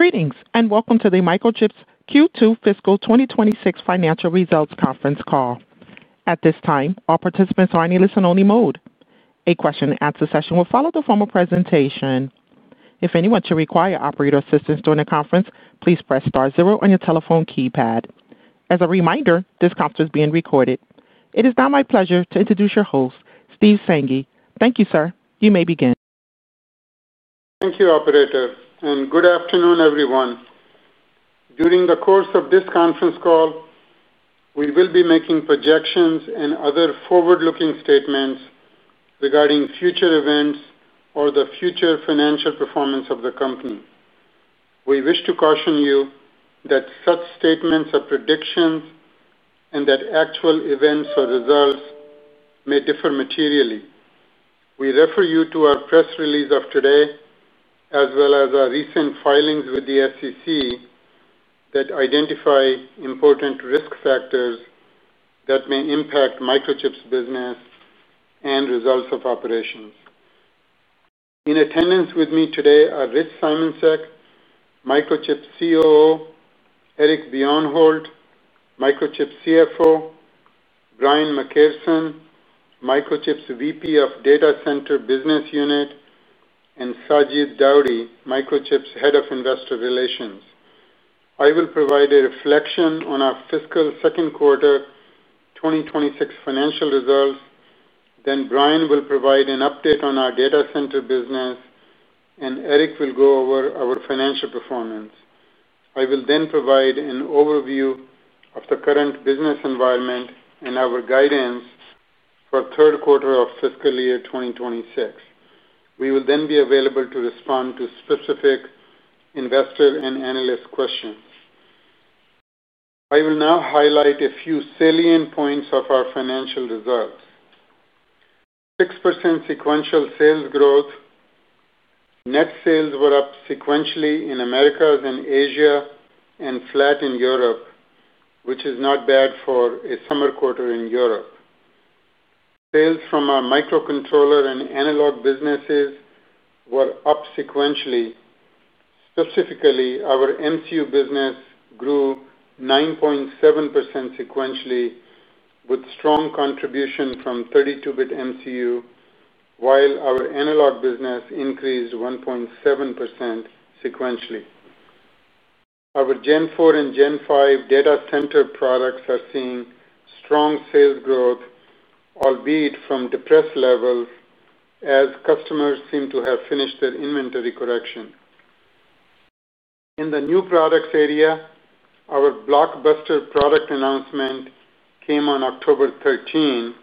Greetings and welcome to the Microchip's Q2 fiscal 2026 financial results conference call. At this time, all participants are on a listen-only mode. A question-and-answer session will follow the formal presentation. If anyone should require operator assistance during the conference, please press star zero on your telephone keypad. As a reminder, this conference is being recorded. It is now my pleasure to introduce your host, Steve Sanghi. Thank you, sir. You may begin. Thank you, Operator, and good afternoon, everyone. During the course of this conference call. We will be making projections and other forward-looking statements regarding future events or the future financial performance of the company. We wish to caution you that such statements are predictions and that actual events or results may differ materially. We refer you to our press release of today as well as our recent filings with the SEC. That identify important risk factors that may impact Microchip's business. And results of operations. In attendance with me today are Rich Simoncic, Microchip COO, Eric Bjornholt, Microchip CFO. Brian McCarson, Microchip's VP of Data Center Business Unit. And Sajid Daudi, Microchip's Head of Investor Relations. I will provide a reflection on our fiscal second quarter 2026 financial results, then Brian will provide an update on our data center business. And Eric will go over our financial performance. I will then provide an overview of the current business environment and our guidance for the third quarter of fiscal year 2026. We will then be available to respond to specific investor and analyst questions. I will now highlight a few salient points of our financial results. 6% sequential sales growth. Net sales were up sequentially in Americas and Asia, and flat in Europe, which is not bad for a summer quarter in Europe. Sales from our microcontroller and analog businesses were up sequentially. Specifically, our MCU business grew 9.7% sequentially with strong contribution from 32-bit MCU. While our analog business increased 1.7% sequentially. Our Gen 4 and Gen 5 data center products are seeing strong sales growth. Albeit from depressed levels, as customers seem to have finished their inventory correction. In the new products area, our blockbuster product announcement came on October 13.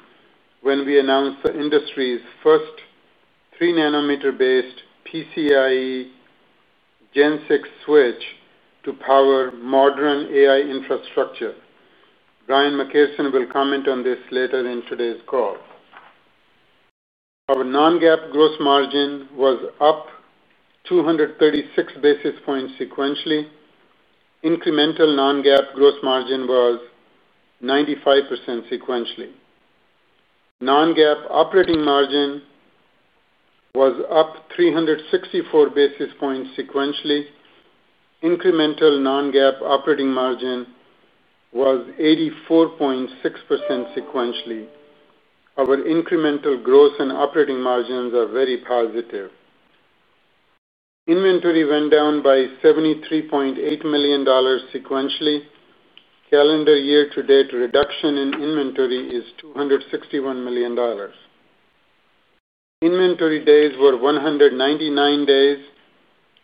When we announced the industry's first. 3 nm-based PCIe Gen 6 switch to power modern AI infrastructure. Brian McCarson will comment on this later in today's call. Our non-GAAP gross margin was up 236 basis points sequentially. Incremental non-GAAP gross margin was 95% sequentially. Non-GAAP operating margin was up 364 basis points sequentially. Incremental non-GAAP operating margin was 84.6% sequentially. Our incremental gross and operating margins are very positive. Inventory went down by $73.8 million sequentially. Calendar year-to-date reduction in inventory is $261 million. Inventory days were 199 days.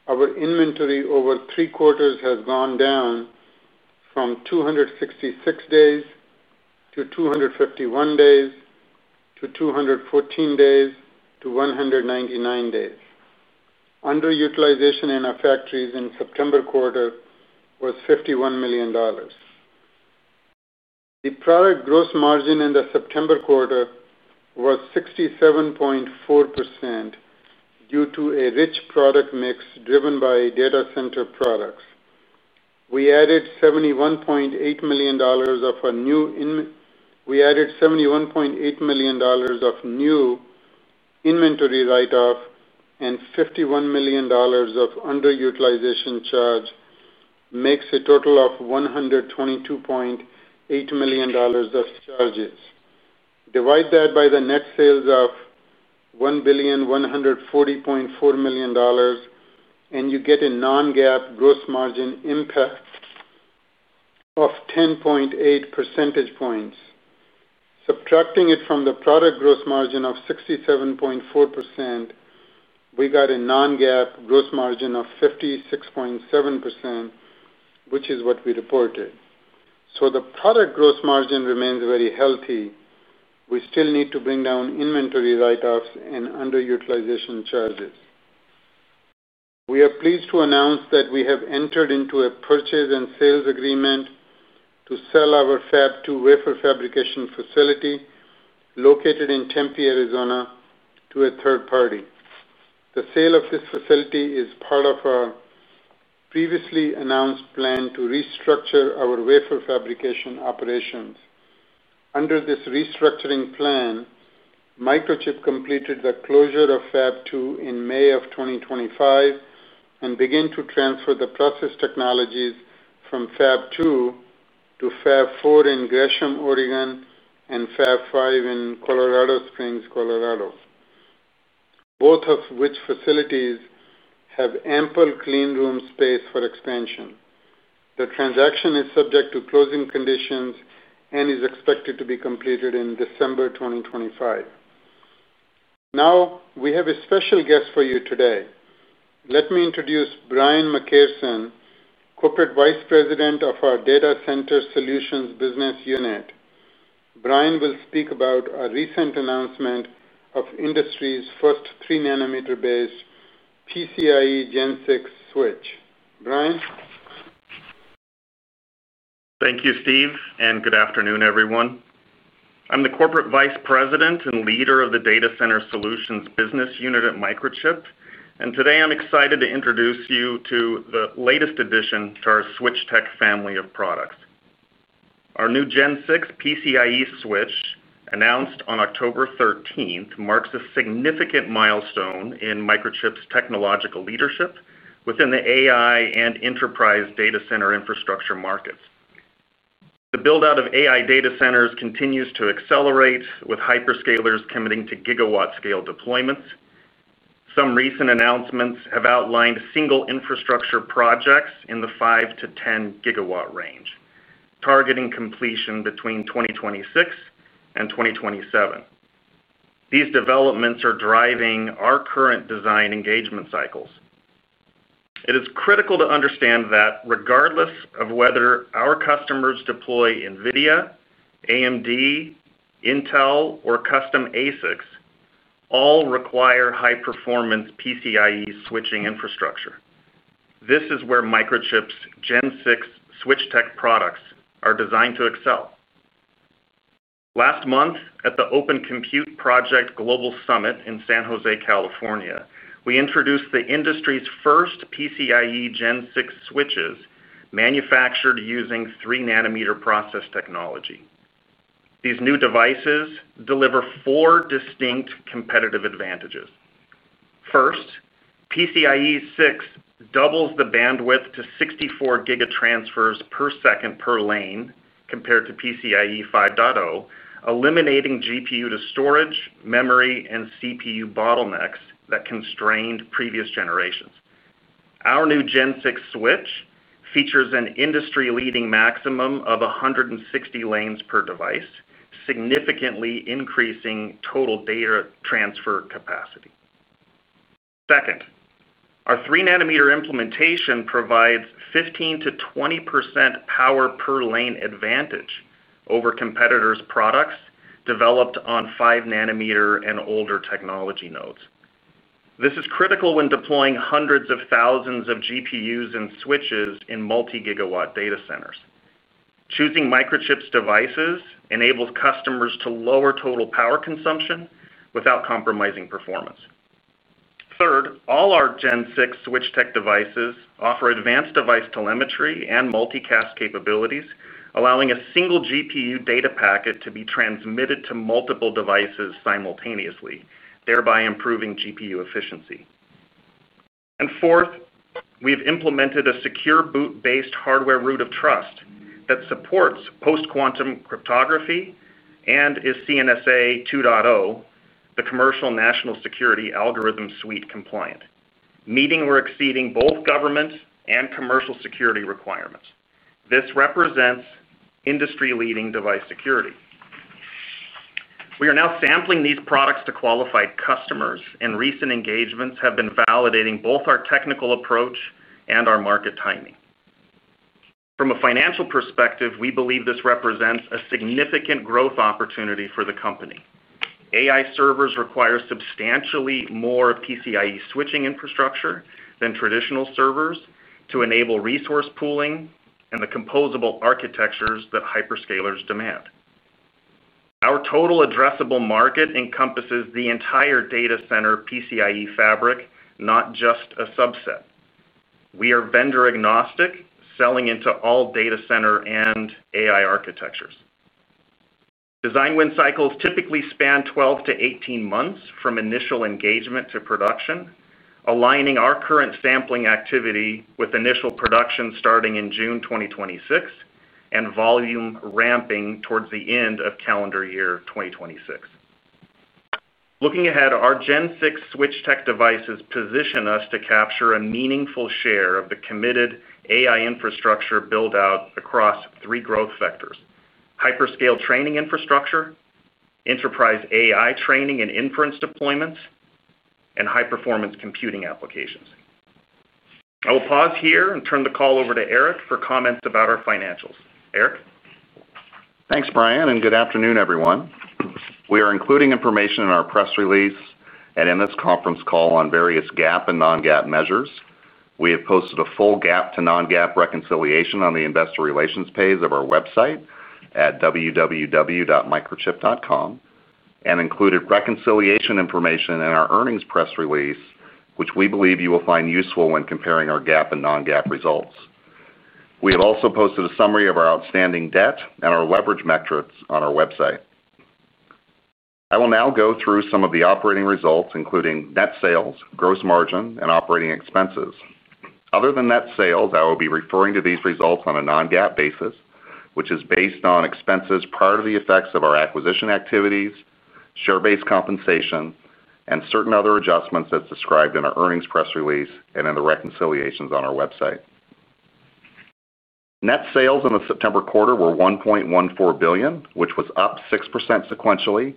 Our inventory over three quarters has gone down from 266 days to 251 days to 214 days to 199 days. Underutilization in our factories in September quarter was $51 million. The product gross margin in the September quarter was 67.4%. Due to a rich product mix driven by data center products. We added $71.8 million of our new inventory write-off and $51 million of underutilization charge. Makes a total of $122.8 million of charges. Divide that by the net sales of $1,140.4 million. And you get a non-GAAP gross margin impact. Of 10.8 percentage points. Subtracting it from the product gross margin of 67.4%. We got a non-GAAP gross margin of 56.7%. Which is what we reported. So the product gross margin remains very healthy. We still need to bring down inventory write-offs and underutilization charges. We are pleased to announce that we have entered into a purchase and sales agreement to sell our Fab 2 wafer fabrication facility located in Tempe, Arizona, to a third party. The sale of this facility is part of our. Previously announced plan to restructure our wafer fabrication operations. Under this restructuring plan. Microchip completed the closure of Fab 2 in May of 2025. And began to transfer the process technologies from Fab 2 to Fab 4 in Gresham, Oregon, and Fab 5 in Colorado Springs, Colorado. Both of which facilities have ample clean room space for expansion. The transaction is subject to closing conditions and is expected to be completed in December 2025. Now, we have a special guest for you today. Let me introduce Brian McCarson, Corporate Vice President of our Data Center Solutions Business Unit. Brian will speak about our recent announcement of industry's first 3 nm-based PCIe Gen 6 switch. Brian. Thank you, Steve, and good afternoon, everyone. I'm the Corporate Vice President and Leader of the Data Center Solutions Business Unit at Microchip, and today I'm excited to introduce you to the latest addition to our Switchtec family of products. Our new Gen 6 PCIe switch, announced on October 13, marks a significant milestone in Microchip's technological leadership within the AI and enterprise data center infrastructure markets. The build-out of AI data centers continues to accelerate, with hyperscalers committing to gigawatt-scale deployments. Some recent announcements have outlined single infrastructure projects in the 5 GW-10 GW range, targeting completion between 2026 and 2027. These developments are driving our current design engagement cycles. It is critical to understand that regardless of whether our customers deploy NVIDIA, AMD, Intel, or custom ASICs, all require high-performance PCIe switching infrastructure. This is where Microchip's Gen 6 Switchtec products are designed to excel. Last month, at the Open Compute Project Global Summit in San Jose, California, we introduced the industry's first PCIe Gen 6 switches manufactured using 3 nm process technology. These new devices deliver four distinct competitive advantages. First, PCIe 6 doubles the bandwidth to 64 gigatransfers per second per lane compared to PCIe 5.0, eliminating GPU to storage, memory, and CPU bottlenecks that constrained previous generations. Our new Gen 6 switch features an industry-leading maximum of 160 lanes per device, significantly increasing total data transfer capacity. Second, our 3 nm implementation provides 15%-20% power per lane advantage over competitors' products developed on 5-nm and older technology nodes. This is critical when deploying hundreds of thousands of GPUs and switches in multi-gigawatt data centers. Choosing Microchip's devices enables customers to lower total power consumption without compromising performance. Third, all our Gen 6 Switchtec devices offer advanced device telemetry and multicast capabilities, allowing a single GPU data packet to be transmitted to multiple devices simultaneously, thereby improving GPU efficiency. Fourth, we've implemented a secure boot-based hardware root of trust that supports post-quantum cryptography and is CNSA 2.0, the Commercial National Security Algorithm Suite compliant, meeting or exceeding both government and commercial security requirements. This represents industry-leading device security. We are now sampling these products to qualified customers, and recent engagements have been validating both our technical approach and our market timing. From a financial perspective, we believe this represents a significant growth opportunity for the company. AI servers require substantially more PCIe switching infrastructure than traditional servers to enable resource pooling and the composable architectures that hyperscalers demand. Our total addressable market encompasses the entire data center PCIe fabric, not just a subset. We are vendor-agnostic, selling into all data center and AI architectures. Design win cycles typically span 12 to 18 months from initial engagement to production, aligning our current sampling activity with initial production starting in June 2026 and volume ramping towards the end of calendar year 2026. Looking ahead, our Gen 6 Switchtec devices position us to capture a meaningful share of the committed AI infrastructure build-out across three growth vectors: hyperscale training infrastructure, enterprise AI training and inference deployments, and high-performance computing applications. I will pause here and turn the call over to Eric for comments about our financials. Eric. Thanks, Brian, and good afternoon, everyone. We are including information in our press release and in this conference call on various GAAP and non-GAAP measures. We have posted a full GAAP to non-GAAP reconciliation on the investor relations page of our website at www.Microchip.com and included reconciliation information in our earnings press release, which we believe you will find useful when comparing our GAAP and non-GAAP results. We have also posted a summary of our outstanding debt and our leverage metrics on our website. I will now go through some of the operating results, including net sales, gross margin, and operating expenses. Other than net sales, I will be referring to these results on a non-GAAP basis, which is based on expenses prior to the effects of our acquisition activities, share-based compensation, and certain other adjustments as described in our earnings press release and in the reconciliations on our website. Net sales in the September quarter were $1.14 billion, which was up 6% sequentially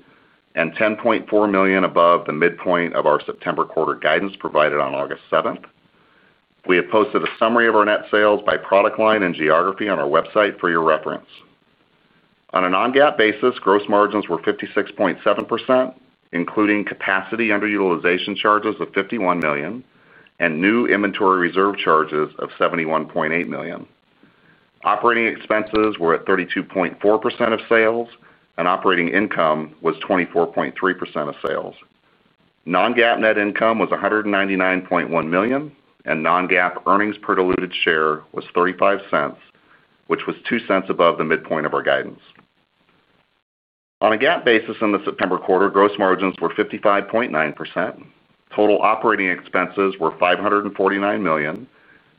and $10.4 million above the midpoint of our September quarter guidance provided on August 7. We have posted a summary of our net sales by product line and geography on our website for your reference. On a non-GAAP basis, gross margins were 56.7%, including capacity underutilization charges of $51 million and new inventory reserve charges of $71.8 million. Operating expenses were at 32.4% of sales, and operating income was 24.3% of sales. Non-GAAP net income was $199.1 million, and non-GAAP earnings per diluted share was $0.35, which was $0.02 above the midpoint of our guidance. On a GAAP basis in the September quarter, gross margins were 55.9%. Total operating expenses were $549 million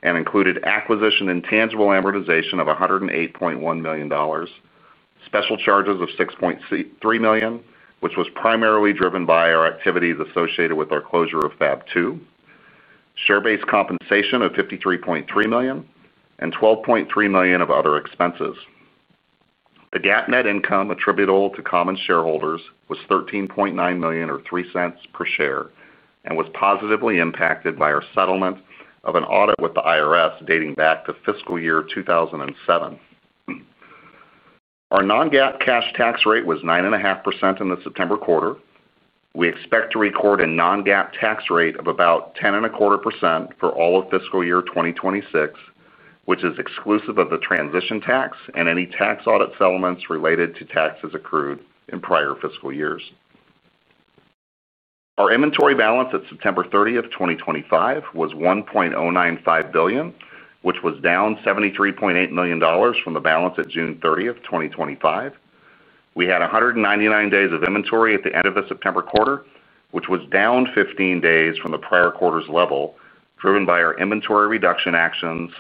and included acquisition and tangible amortization of $108.1 million. Special charges of $6.3 million, which was primarily driven by our activities associated with our closure of Fab 2. Share-based compensation of $53.3 million and $12.3 million of other expenses. The GAAP net income attributable to common shareholders was $13.9 million or $0.03 per share and was positively impacted by our settlement of an audit with the IRS dating back to fiscal year 2007. Our non-GAAP cash tax rate was 9.5% in the September quarter. We expect to record a non-GAAP tax rate of about 10.25% for all of fiscal year 2026, which is exclusive of the transition tax and any tax audit settlements related to taxes accrued in prior fiscal years. Our inventory balance at September 30, 2025, was $1.095 billion, which was down $73.8 million from the balance at June 30, 2025. We had 199 days of inventory at the end of the September quarter, which was down 15 days from the prior quarter's level, driven by our inventory reduction actions.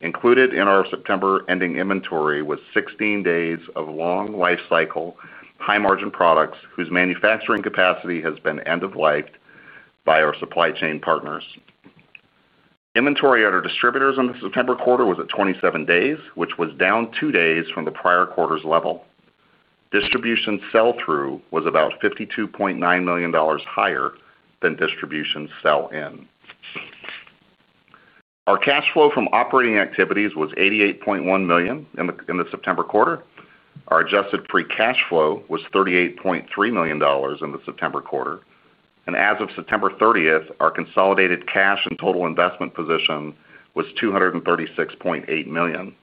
Included in our September ending inventory was 16 days of long lifecycle high-margin products whose manufacturing capacity has been end-of-life by our supply chain partners. Inventory at our distributors in the September quarter was at 27 days, which was down 2 days from the prior quarter's level. Distribution sell-through was about $52.9 million higher than distribution sell-in. Our cash flow from operating activities was $88.1 million in the September quarter. Our adjusted free cash flow was $38.3 million in the September quarter. And as of September 30, our consolidated cash and total investment position was $236.8 million.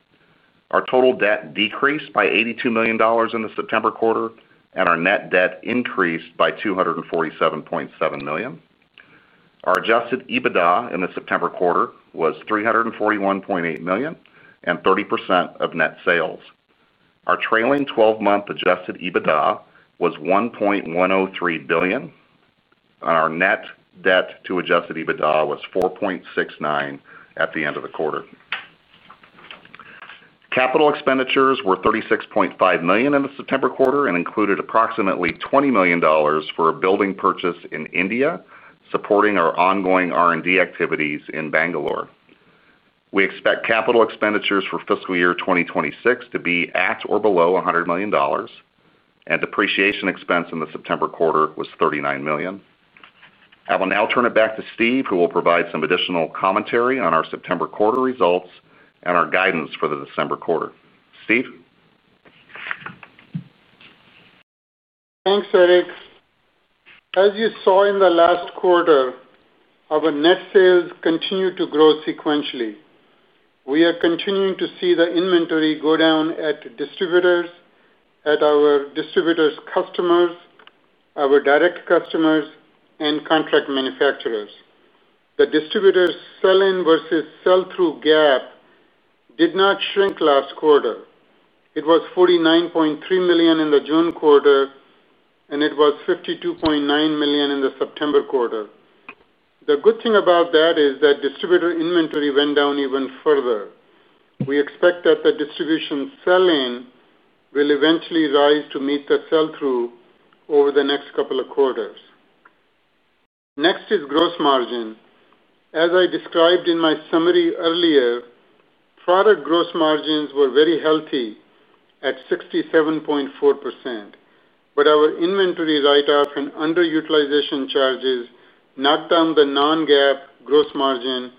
Our total debt decreased by $82 million in the September quarter, and our net debt increased by $247.7 million. Our adjusted EBITDA in the September quarter was $341.8 million and 30% of net sales. Our trailing 12-month adjusted EBITDA was $1.103 billion. And our net debt to adjusted EBITDA was $4.69 at the end of the quarter. Capital expenditures were $36.5 million in the September quarter and included approximately $20 million for a building purchase in India, supporting our ongoing R&D activities in Bangalore. We expect capital expenditures for fiscal year 2026 to be at or below $100 million, and depreciation expense in the September quarter was $39 million. I will now turn it back to Steve, who will provide some additional commentary on our September quarter results and our guidance for the December quarter. Steve. Thanks, Eric. As you saw in the last quarter, our net sales continued to grow sequentially. We are continuing to see the inventory go down at distributors, at our distributors' customers, our direct customers, and contract manufacturers. The distributors' sell-in versus sell-through gap did not shrink last quarter. It was $49.3 million in the June quarter, and it was $52.9 million in the September quarter. The good thing about that is that distributor inventory went down even further. We expect that the distribution sell-in will eventually rise to meet the sell-through over the next couple of quarters. Next is gross margin. As I described in my summary earlier, product gross margins were very healthy at 67.4%, but our inventory write-off and underutilization charges knocked down the non-GAAP gross margin.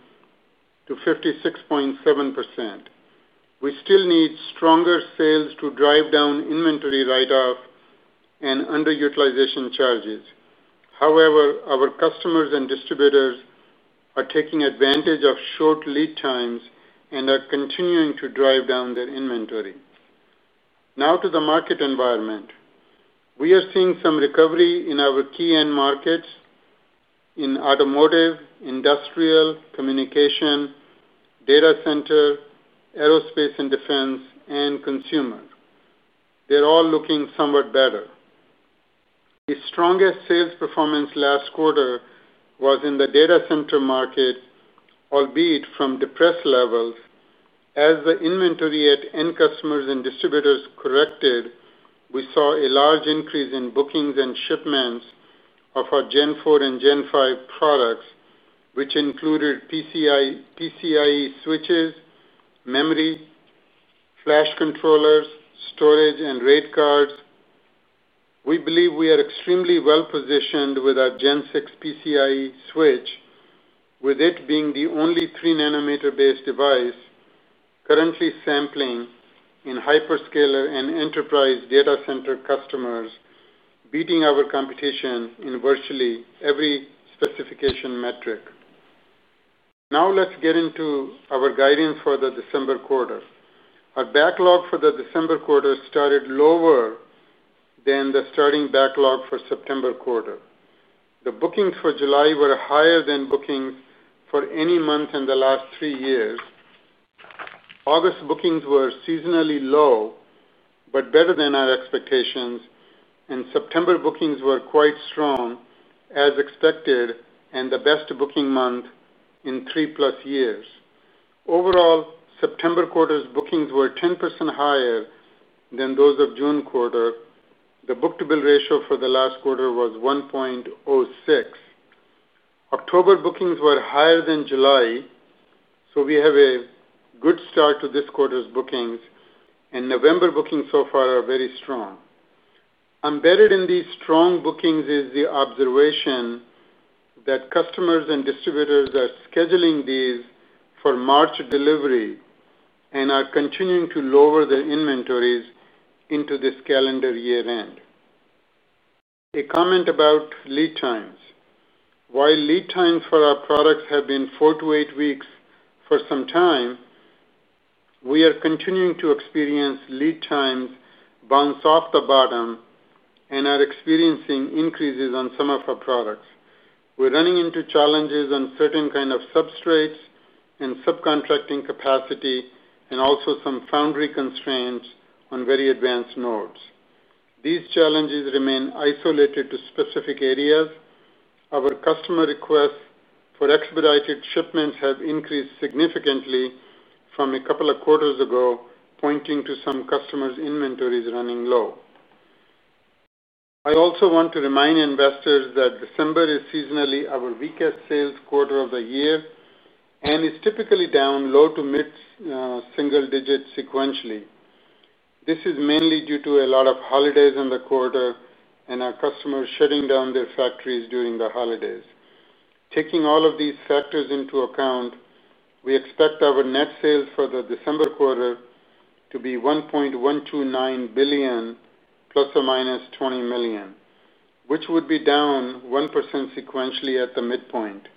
To 56.7%. We still need stronger sales to drive down inventory write-off. And underutilization charges. However, our customers and distributors are taking advantage of short lead times and are continuing to drive down their inventory. Now to the market environment. We are seeing some recovery in our key end markets. In automotive, industrial, communication. Data center, aerospace, and defense, and consumer. They're all looking somewhat better. The strongest sales performance last quarter was in the data center market. Albeit from depressed levels. As the inventory at end customers and distributors corrected, we saw a large increase in bookings and shipments of our Gen 4 and Gen 5 products, which included PCIe switches, memory, flash controllers, storage, and rate cards. We believe we are extremely well-positioned with our Gen 6 PCIe switch, with it being the only 3 nm-based device currently sampling in hyperscaler and enterprise data center customers, beating our competition in virtually every specification metric. Now let's get into our guidance for the December quarter. Our backlog for the December quarter started lower. Than the starting backlog for September quarter. The bookings for July were higher than bookings for any month in the last three years. August bookings were seasonally low but better than our expectations, and September bookings were quite strong, as expected, and the best booking month in three plus years. Overall, September quarter's bookings were 10% higher than those of June quarter. The book-to-bill ratio for the last quarter was 1.06x. October bookings were higher than July, so we have a good start to this quarter's bookings, and November bookings so far are very strong. Embedded in these strong bookings is the observation that customers and distributors are scheduling these for March delivery and are continuing to lower their inventories into this calendar year end. A comment about lead times. While lead times for our products have been four to eight weeks for some time, we are continuing to experience lead times bounced off the bottom and are experiencing increases on some of our products. We're running into challenges on certain kinds of substrates and subcontracting capacity and also some foundry constraints on very advanced nodes. These challenges remain isolated to specific areas. Our customer requests for expedited shipments have increased significantly from a couple of quarters ago, pointing to some customers' inventories running low. I also want to remind investors that December is seasonally our weakest sales quarter of the year and is typically down low to mid-single digit sequentially. This is mainly due to a lot of holidays in the quarter and our customers shutting down their factories during the holidays. Taking all of these factors into account, we expect our net sales for the December quarter to be ±$20 million, which would be down 1% sequentially at the midpoint.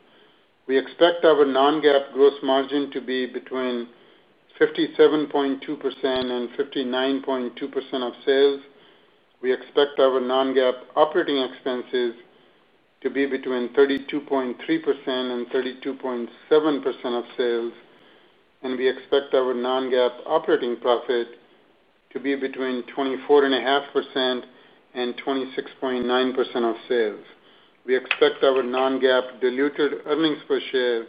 We expect our non-GAAP gross margin to be between. 57.2% and 59.2% of sales. We expect our non-GAAP operating expenses to be between 32.3% and 32.7% of sales, and we expect our non-GAAP operating profit to be between 24.5% and 26.9% of sales. We expect our non-GAAP diluted earnings per share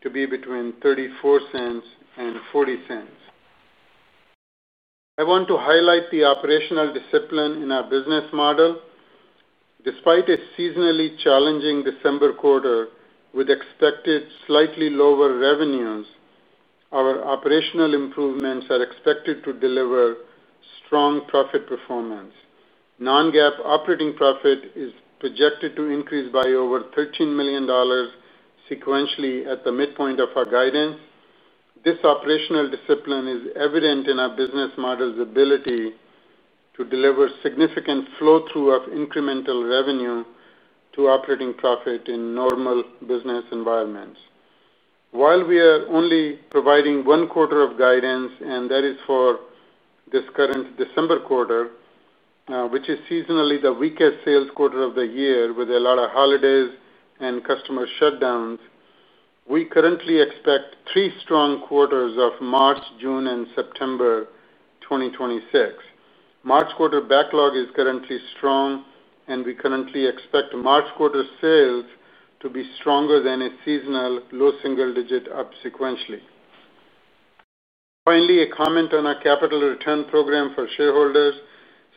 to be between $0.34 and $0.40. I want to highlight the operational discipline in our business model. Despite a seasonally challenging December quarter with expected slightly lower revenues, our operational improvements are expected to deliver strong profit performance. Non-GAAP operating profit is projected to increase by over $13 million. Sequentially at the midpoint of our guidance. This operational discipline is evident in our business model's ability to deliver significant flow-through of incremental revenue to operating profit in normal business environments. While we are only providing one quarter of guidance, and that is for. This current December quarter. Which is seasonally the weakest sales quarter of the year with a lot of holidays and customer shutdowns, we currently expect three strong quarters of March, June, and September 2026. March quarter backlog is currently strong, and we currently expect March quarter sales to be stronger than a seasonal low single digit up sequentially. Finally, a comment on our capital return program for shareholders.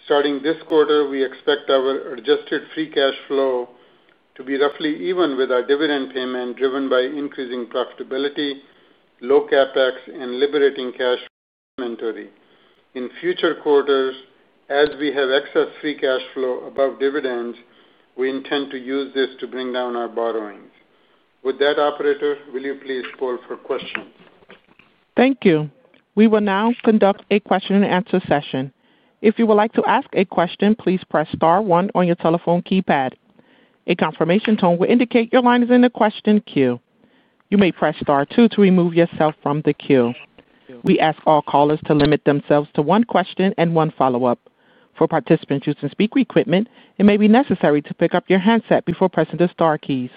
Starting this quarter, we expect our adjusted free cash flow to be roughly even with our dividend payment driven by increasing profitability, low CapEx, and liberating cash inventory. In future quarters, as we have excess free cash flow above dividends, we intend to use this to bring down our borrowings. With that, operator, will you please poll for questions? Thank you. We will now conduct a question-and-answer session. If you would like to ask a question, please press star one on your telephone keypad. A confirmation tone will indicate your line is in the question queue. You may press star two to remove yourself from the queue. We ask all callers to limit themselves to one question and one follow-up. For participants using speaker equipment, it may be necessary to pick up your handset before pressing the star keys.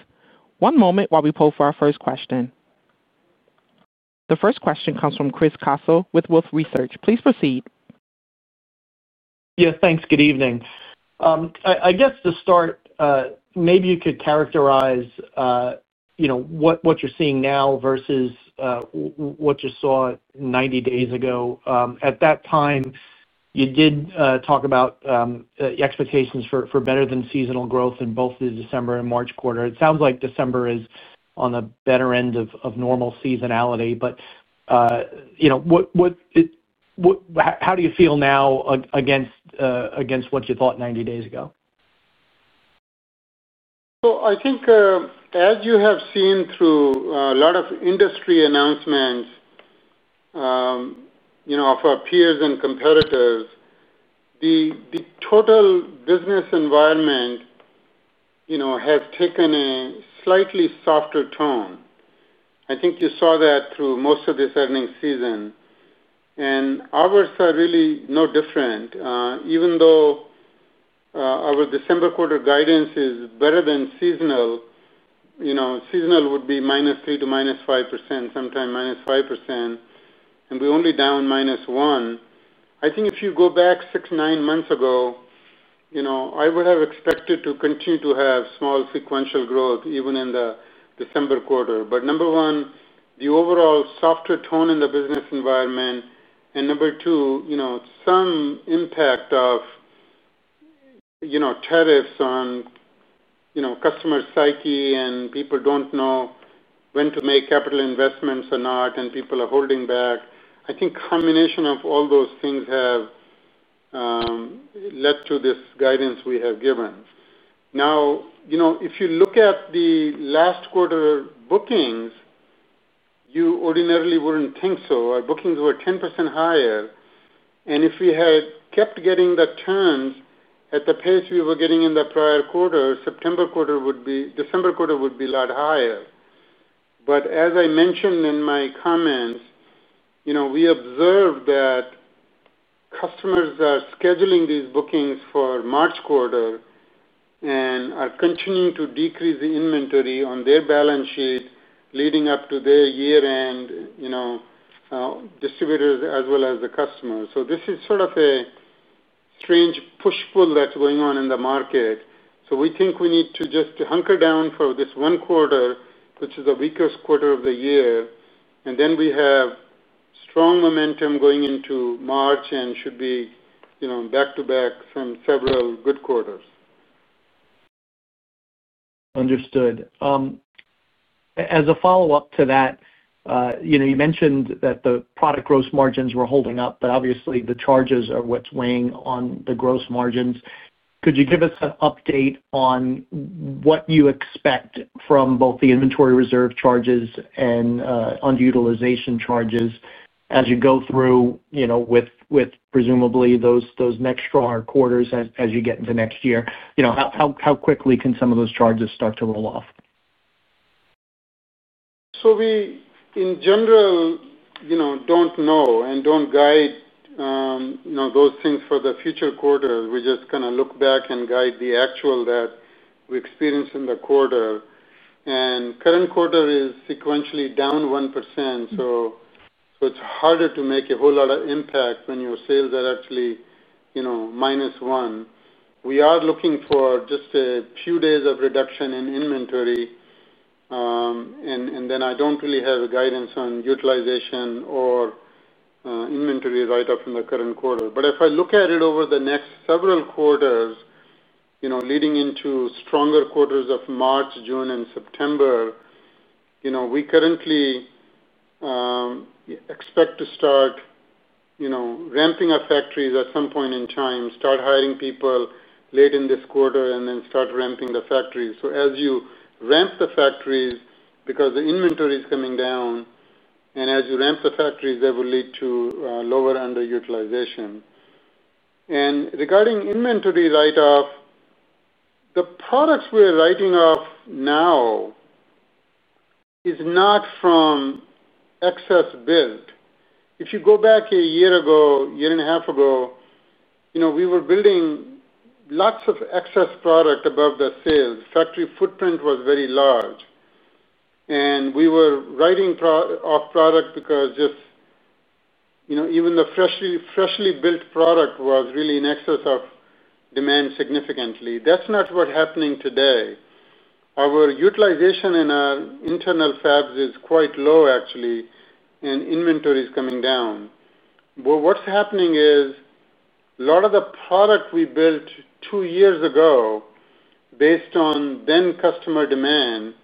One moment while we poll for our first question. The first question comes from Chris Caso with Wolfe Research. Please proceed. Yeah, thanks. Good evening. I guess to start, maybe you could characterize. What you're seeing now versus. What you saw 90 days ago. At that time, you did talk about. Expectations for better than seasonal growth in both the December and March quarter. It sounds like December is on the better end of normal seasonality, but. How do you feel now against. What you thought 90 days ago? So I think, as you have seen through a lot of industry announcements. Of our peers and competitors. The total business environment. Has taken a slightly softer tone. I think you saw that through most of this earnings season, and ours are really no different. Even though. Our December quarter guidance is better than seasonal. Seasonal would be -3% to -5%, sometime -5%, and we're only down -1%. I think if you go back six, nine months ago. I would have expected to continue to have small sequential growth even in the December quarter. But number one, the overall softer tone in the business environment, and number two, some impact of. Tariffs on. Customer psyche, and people don't know when to make capital investments or not, and people are holding back. I think a combination of all those things have. Led to this guidance we have given. Now, if you look at the last quarter bookings, you ordinarily wouldn't think so. Our bookings were 10% higher, and if we had kept getting the turns at the pace we were getting in the prior quarter, September quarter would be December quarter would be a lot higher. But as I mentioned in my comments, we observed that. Customers are scheduling these bookings for March quarter. And are continuing to decrease the inventory on their balance sheet leading up to their year-end. Distributors as well as the customers. So this is sort of a. Strange push-pull that's going on in the market. So we think we need to just hunker down for this one quarter, which is the weakest quarter of the year, and then we have strong momentum going into March and should be back-to-back from several good quarters. Understood. As a follow-up to that. You mentioned that the product gross margins were holding up, but obviously, the charges are what's weighing on the gross margins. Could you give us an update on what you expect from both the inventory reserve charges and underutilization charges as you go through with. Presumably those next stronger quarters as you get into next year? How quickly can some of those charges start to roll off? So we, in general, don't know and don't guide. Those things for the future quarter. We just kind of look back and guide the actual that we experience in the quarter. And current quarter is sequentially down 1%, so. It's harder to make a whole lot of impact when your sales are actually. -1%. We are looking for just a few days of reduction in inventory. And then I don't really have a guidance on utilization or. Inventory write-off in the current quarter. But if I look at it over the next several quarters, leading into stronger quarters of March, June, and September. We currently. Expect to start. Ramping up factories at some point in time, start hiring people late in this quarter, and then start ramping the factories. So as you ramp the factories, because the inventory is coming down. And as you ramp the factories, that will lead to lower underutilization. And regarding inventory write-off. The products we're writing off now. Is not from. Excess build. If you go back a year ago, year and a half ago, we were building. Lots of excess product above the sales. Factory footprint was very large. And we were writing off product because just. Even the freshly built product was really in excess of demand significantly. That's not what's happening today. Our utilization in our internal fabs is quite low, actually, and inventory is coming down. But what's happening is. A lot of the product we built two years ago. Based on then customer demand.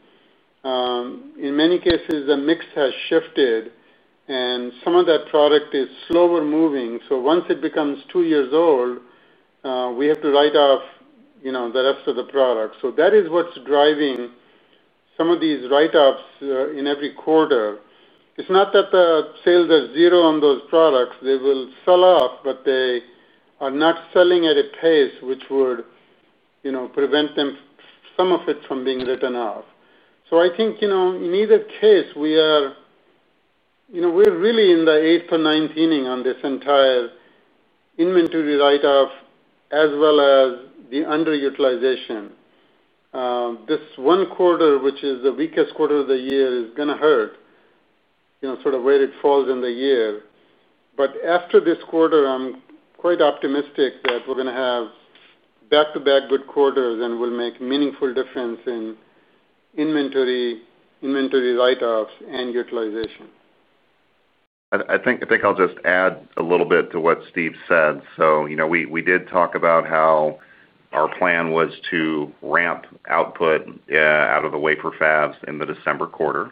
In many cases, the mix has shifted, and some of that product is slower moving. So once it becomes two years old. We have to write off. The rest of the product. So that is what's driving. Some of these write-offs in every quarter. It's not that the sales are zero on those products. They will sell off, but they are not selling at a pace which would. Prevent them, some of it, from being written off. So I think in either case, we are. Really in the eighth or ninth inning on this entire. Inventory write-off as well as the underutilization. This one quarter, which is the weakest quarter of the year, is going to hurt. Sort of where it falls in the year. But after this quarter, I'm quite optimistic that we're going to have back-to-back good quarters and will make a meaningful difference in. Inventory. Write-offs and utilization. I think I'll just add a little bit to what Steve said. So we did talk about how. Our plan was to ramp output. Out of the wafer fabs in the December quarter.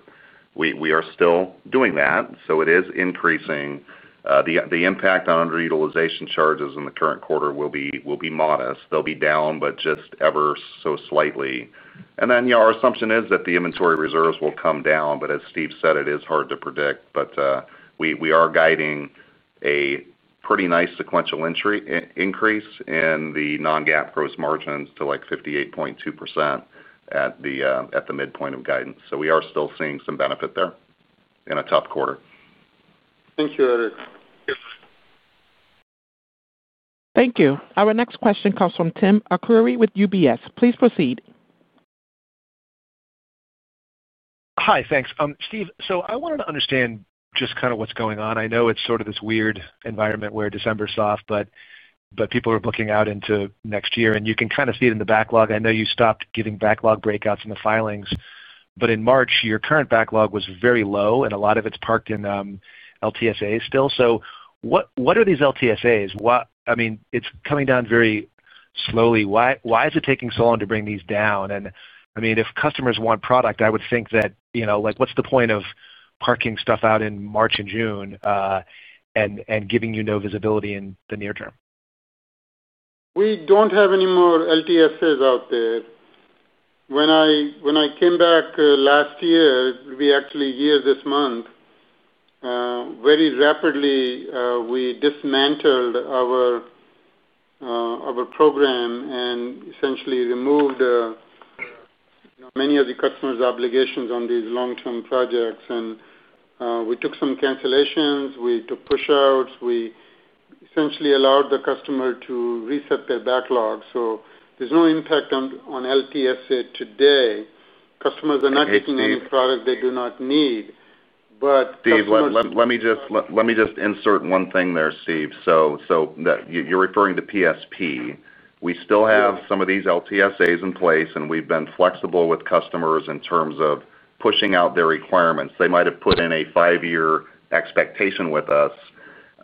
We are still doing that, so it is increasing. The impact on underutilization charges in the current quarter will be modest. They'll be down, but just ever so slightly. And then our assumption is that the inventory reserves will come down, but as Steve said, it is hard to predict. But. We are guiding a pretty nice sequential increase in the non-GAAP gross margins to like 58.2% at the midpoint of guidance. So we are still seeing some benefit there in a tough quarter. Thank you, Eric. Thank you. Our next question comes from Tim Arcuri with UBS. Please proceed. Hi, thanks. Steve, so I wanted to understand just kind of what's going on. I know it's sort of this weird environment where December's soft, but people are looking out into next year, and you can kind of see it in the backlog. I know you stopped giving backlog breakouts in the filings, but in March, your current backlog was very low, and a lot of it's parked in LTSAs still. So what are these LTSAs? I mean, it's coming down very slowly. Why is it taking so long to bring these down? And I mean, if customers want product, I would think that. What's the point of parking stuff out in March and June. And giving you no visibility in the near term? We don't have any more LTSAs out there. When I came back last year, we actually year this month. Very rapidly, we dismantled our. Program and essentially removed. Many of the customers' obligations on these long-term projects. And we took some cancellations. We took push-outs. We essentially allowed the customer to reset their backlog. So there's no impact on LTSA today. Customers are not taking any product they do not need, but customers. Steve, let me just insert one thing there, Steve. So you're referring to PSP. We still have some of these LTSAs in place, and we've been flexible with customers in terms of pushing out their requirements. They might have put in a five-year expectation with us.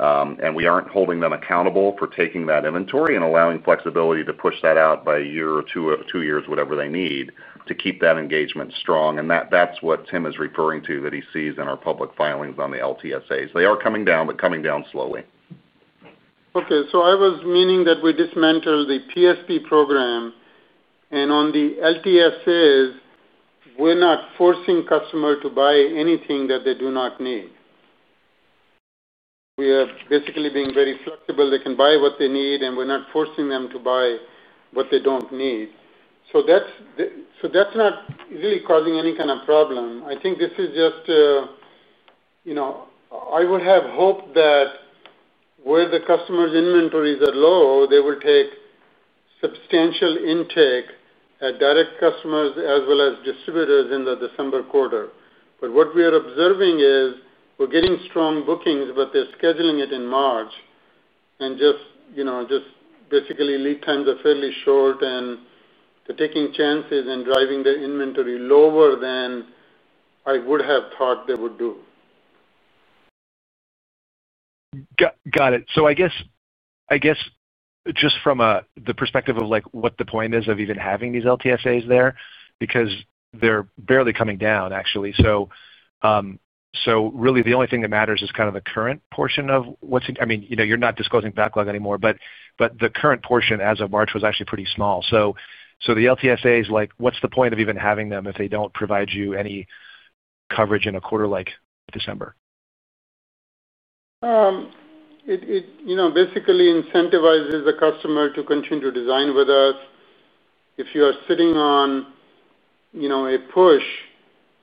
And we aren't holding them accountable for taking that inventory and allowing flexibility to push that out by a year or two years, whatever they need, to keep that engagement strong. And that's what Tim is referring to that he sees in our public filings on the LTSAs. They are coming down, but coming down slowly. Okay. So I was meaning that we dismantle the PSP program. And on the LTSAs. We're not forcing customers to buy anything that they do not need. We are basically being very flexible. They can buy what they need, and we're not forcing them to buy what they don't need. So. That's not really causing any kind of problem. I think this is just. I would have hoped that where the customers' inventories are low, they will take substantial intake at direct customers as well as distributors in the December quarter. But what we are observing is we're getting strong bookings, but they're scheduling it in March. And just. Basically, lead times are fairly short, and they're taking chances and driving their inventory lower than I would have thought they would do. Got it. So I guess just from the perspective of what the point is of even having these LTSAs there, because they're barely coming down, actually. So really, the only thing that matters is kind of the current portion of what's—I mean, you're not disclosing backlog anymore, but the current portion as of March was actually pretty small. So the LTSAs, what's the point of even having them if they don't provide you any coverage in a quarter like December? It basically incentivizes the customer to continue to design with us. If you are sitting on a push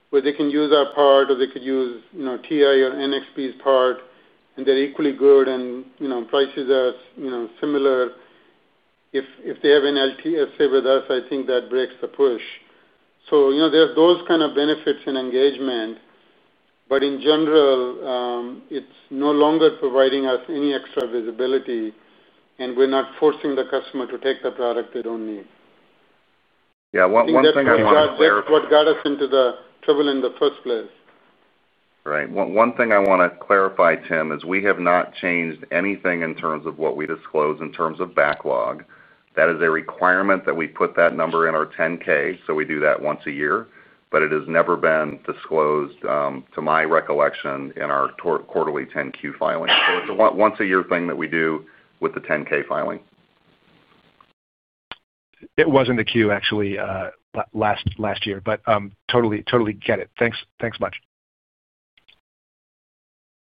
where they can use our part or they could use TI or NXP's part, and they're equally good and prices are similar. If they have an LTSA with us, I think that breaks the push. There are those kind of benefits and engagement. In general, it's no longer providing us any extra visibility, and we're not forcing the customer to take the product they do not need. Yeah. One thing I want to clarify. That's what got us into the trouble in the first place. Right. One thing I want to clarify, Tim, is we have not changed anything in terms of what we disclose in terms of backlog. That is a requirement that we put that number in our 10-K. So we do that once a year, but it has never been disclosed, to my recollection, in our quarterly 10-Q filing. So it's a once-a-year thing that we do with the 10-K filing. It wasn't a Q, actually, last year, but totally get it. Thanks so much.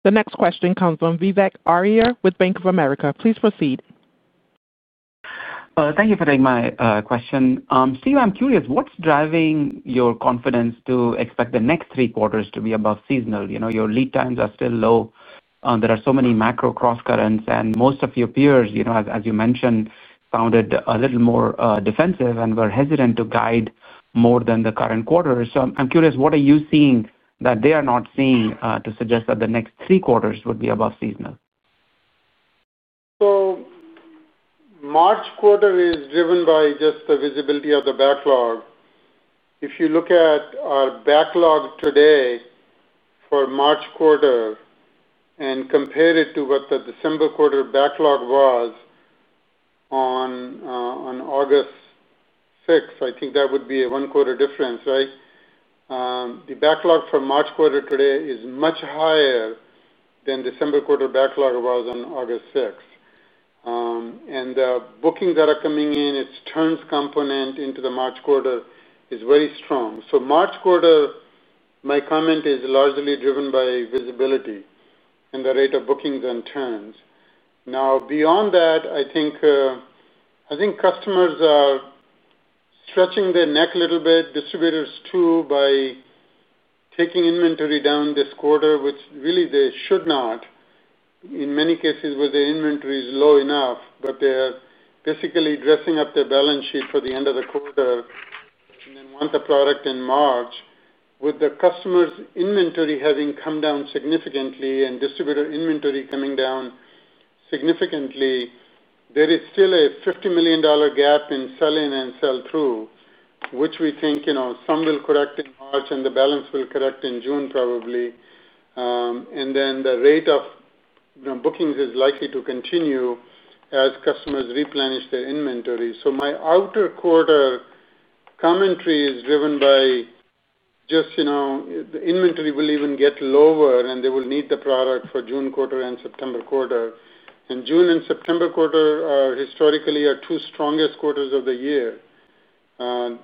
The next question comes from Vivek Arya with Bank of America. Please proceed. Thank you for taking my question. Steve, I'm curious, what's driving your confidence to expect the next three quarters to be above seasonal? Your lead times are still low. There are so many macro cross-currents, and most of your peers, as you mentioned, sounded a little more defensive and were hesitant to guide more than the current quarter. So I'm curious, what are you seeing that they are not seeing to suggest that the next three quarters would be above seasonal? So. March quarter is driven by just the visibility of the backlog. If you look at our backlog today. For March quarter. And compare it to what the December quarter backlog was. On. August 6th, I think that would be a one-quarter difference, right? The backlog for March quarter today is much higher than December quarter backlog was on August 6th. And the bookings that are coming in, its turns component into the March quarter is very strong. So March quarter. My comment is largely driven by visibility and the rate of bookings and turns. Now, beyond that, I think. Customers are. Stretching their neck a little bit, distributors too, by. Taking inventory down this quarter, which really they should not. In many cases where their inventory is low enough, but they're basically dressing up their balance sheet for the end of the quarter and then want the product in March. With the customers' inventory having come down significantly and distributor inventory coming down. Significantly. There is still a $50 million gap in sell-in and sell-through, which we think some will correct in March and the balance will correct in June, probably. And then the rate of. Bookings is likely to continue as customers replenish their inventory. So my outer quarter. Commentary is driven by. Just. The inventory will even get lower, and they will need the product for June quarter and September quarter. And June and September quarter historically are two strongest quarters of the year.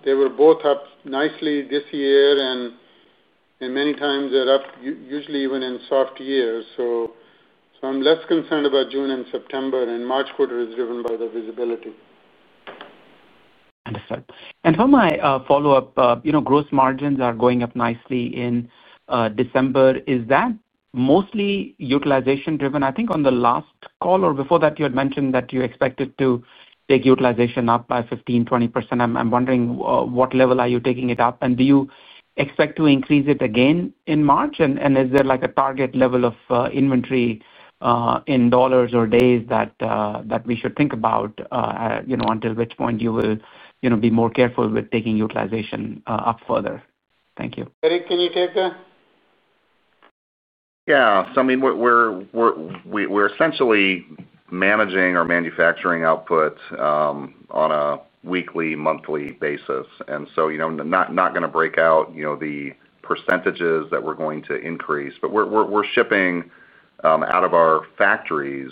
They were both up nicely this year, and. Many times they're up usually even in soft years. So. I'm less concerned about June and September, and March quarter is driven by the visibility. Understood. And for my follow-up, gross margins are going up nicely in. December. Is that mostly utilization-driven? I think on the last call or before that, you had mentioned that you expected to take utilization up by 15%, 20%. I'm wondering what level are you taking it up? And do you expect to increase it again in March? And is there a target level of inventory. In dollars or days that we should think about. Until which point you will be more careful with taking utilization up further? Thank you. Eric, can you take that? Yeah. So I mean. We're essentially managing our manufacturing output. On a weekly, monthly basis. And so not going to break out the percentages that we're going to increase, but we're shipping out of our factories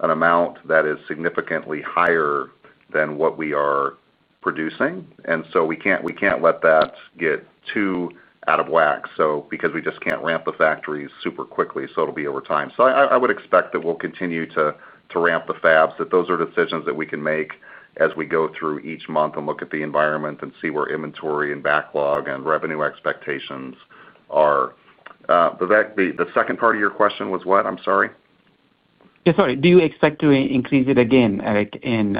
an amount that is significantly higher than what we are producing. And so we can't let that get too out of whack because we just can't ramp the factories super quickly, so it'll be over time. So I would expect that we'll continue to ramp the fabs, that those are decisions that we can make as we go through each month and look at the environment and see where inventory and backlog and revenue expectations are. The second part of your question was what? I'm sorry. Yeah. Sorry. Do you expect to increase it again, Eric, in.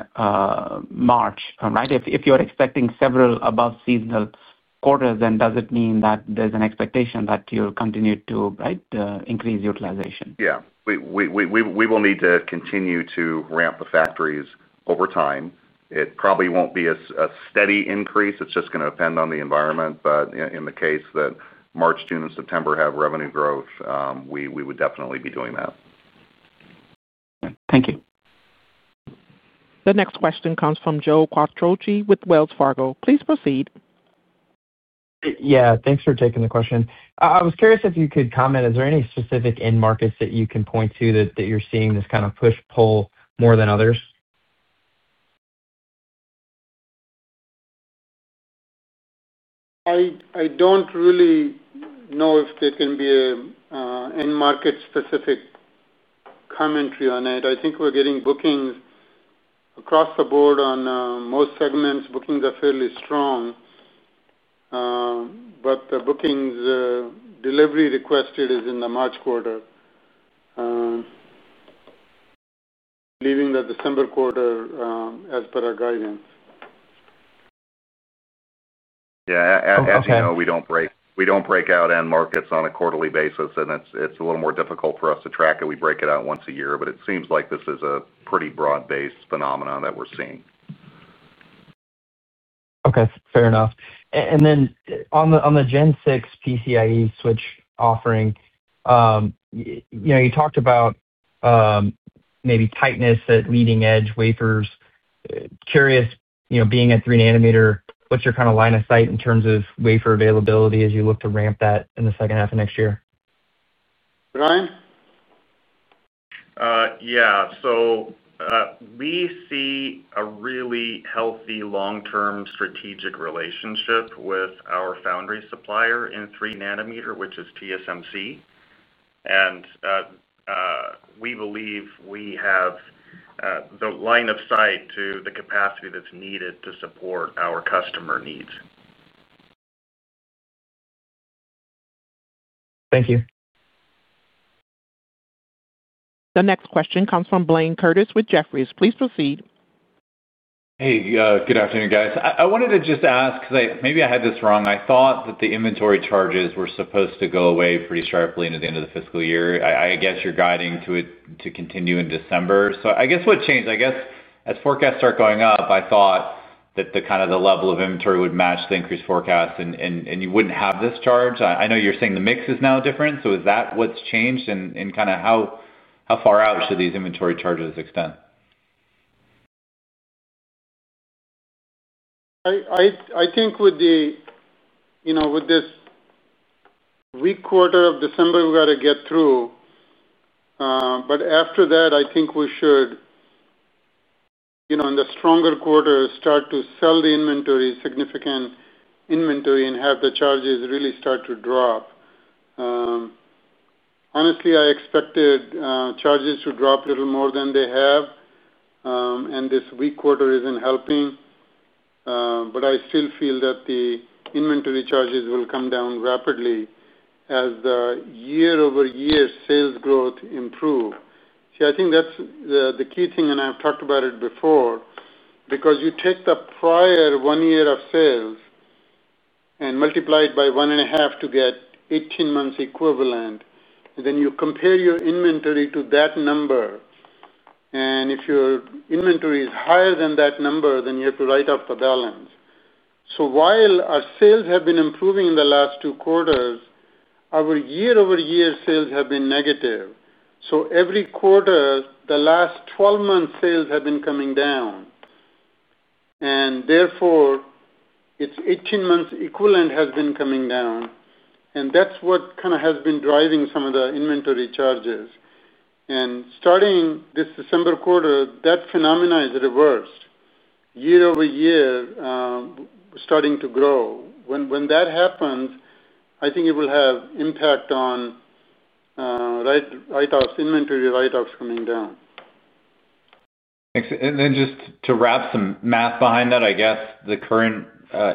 March, right? If you're expecting several above-seasonal quarters, then does it mean that there's an expectation that you'll continue to, right, increase utilization? Yeah. We will need to continue to ramp the factories over time. It probably won't be a steady increase. It's just going to depend on the environment. But in the case that March, June, and September have revenue growth, we would definitely be doing that. Thank you. The next question comes from Joe Quatrochi with Wells Fargo. Please proceed. Yeah. Thanks for taking the question. I was curious if you could comment. Is there any specific end markets that you can point to that you're seeing this kind of push-pull more than others? I don't really know if there can be an end market-specific commentary on it. I think we're getting bookings across the board on most segments. Bookings are fairly strong. But the bookings delivery requested is in the March quarter, leaving the December quarter as per our guidance. Yeah. As you know, we don't break out end markets on a quarterly basis, and it's a little more difficult for us to track it. We break it out once a year, but it seems like this is a pretty broad-based phenomenon that we're seeing. Okay. Fair enough. And then on the Gen 6 PCIe switch offering. You talked about. Maybe tightness at leading-edge wafers. Curious, being at 3 nm, what's your kind of line of sight in terms of wafer availability as you look to ramp that in the second half of next year? Brian? Yeah. So. We see a really healthy long-term strategic relationship with our foundry supplier in 3 nm, which is TSMC. And. We believe we have. The line of sight to the capacity that's needed to support our customer needs. Thank you. The next question comes from Blayne Curtis with Jefferies. Please proceed. Hey. Good afternoon, guys. I wanted to just ask because maybe I had this wrong. I thought that the inventory charges were supposed to go away pretty sharply into the end of the fiscal year. I guess you're guiding to it to continue in December. So I guess what changed? I guess as forecasts start going up, I thought that kind of the level of inventory would match the increased forecast, and you wouldn't have this charge. I know you're saying the mix is now different. So is that what's changed in kind of how far out should these inventory charges extend? I think with the. With this. Weak quarter of December we got to get through. But after that, I think we should. In the stronger quarter, start to sell the inventory, significant inventory, and have the charges really start to drop. Honestly, I expected charges to drop a little more than they have. And this weak quarter isn't helping. But I still feel that the inventory charges will come down rapidly as the year-over-year sales growth improves. See, I think that's the key thing, and I've talked about it before. Because you take the prior one year of sales. And multiply it by one and a half to get 18 months equivalent. And then you compare your inventory to that number. And if your inventory is higher than that number, then you have to write off the balance. So while our sales have been improving in the last two quarters, our year-over-year sales have been negative. So every quarter, the last 12 months' sales have been coming down. And therefore, it's 18 months equivalent has been coming down. And that's what kind of has been driving some of the inventory charges. And starting this December quarter, that phenomenon is reversed. Year-over-year. Starting to grow. When that happens, I think it will have impact on. Right-of inventory, right-of coming down. Thanks. And then just to wrap some math behind that, I guess the current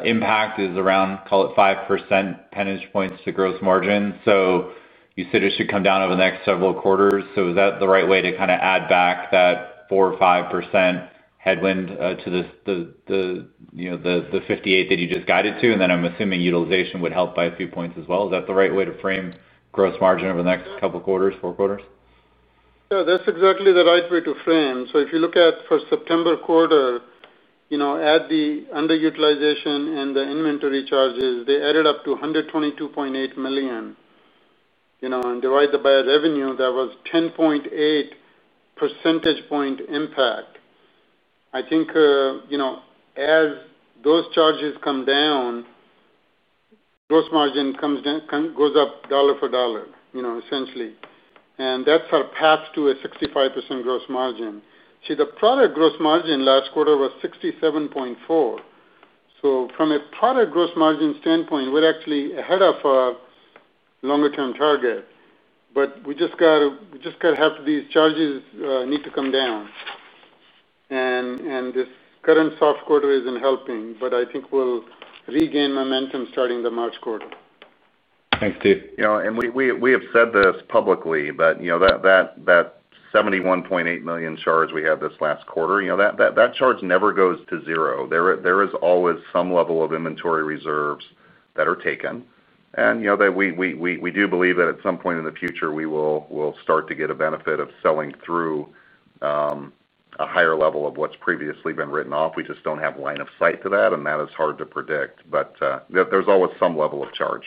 impact is around, call it, 5% penance points to gross margin. So you said it should come down over the next several quarters. So is that the right way to kind of add back that 4% or 5% headwind to the 58% that you just guided to? And then I'm assuming utilization would help by a few points as well. Is that the right way to frame gross margin over the next couple of quarters, four quarters? Yeah. That's exactly the right way to frame. So if you look at for September quarter. At the underutilization and the inventory charges, they added up to 122.8 million. And divide that by revenue, that was 10.8 percentage point impact. I think. As those charges come down. Gross margin goes up dollar for dollar, essentially. And that's our path to a 65% gross margin. See, the product gross margin last quarter was 67.4%. So from a product gross margin standpoint, we're actually ahead of our longer-term target. But we just got to have these charges need to come down. And. And this current soft quarter isn't helping, but I think we'll regain momentum starting the March quarter. Thanks, Steve. Yeah. We have said this publicly, but that $71.8 million charge we had this last quarter, that charge never goes to zero. There is always some level of inventory reserves that are taken. We do believe that at some point in the future, we will start to get a benefit of selling through a higher level of what has previously been written off. We just do not have line of sight to that, and that is hard to predict. There is always some level of charge.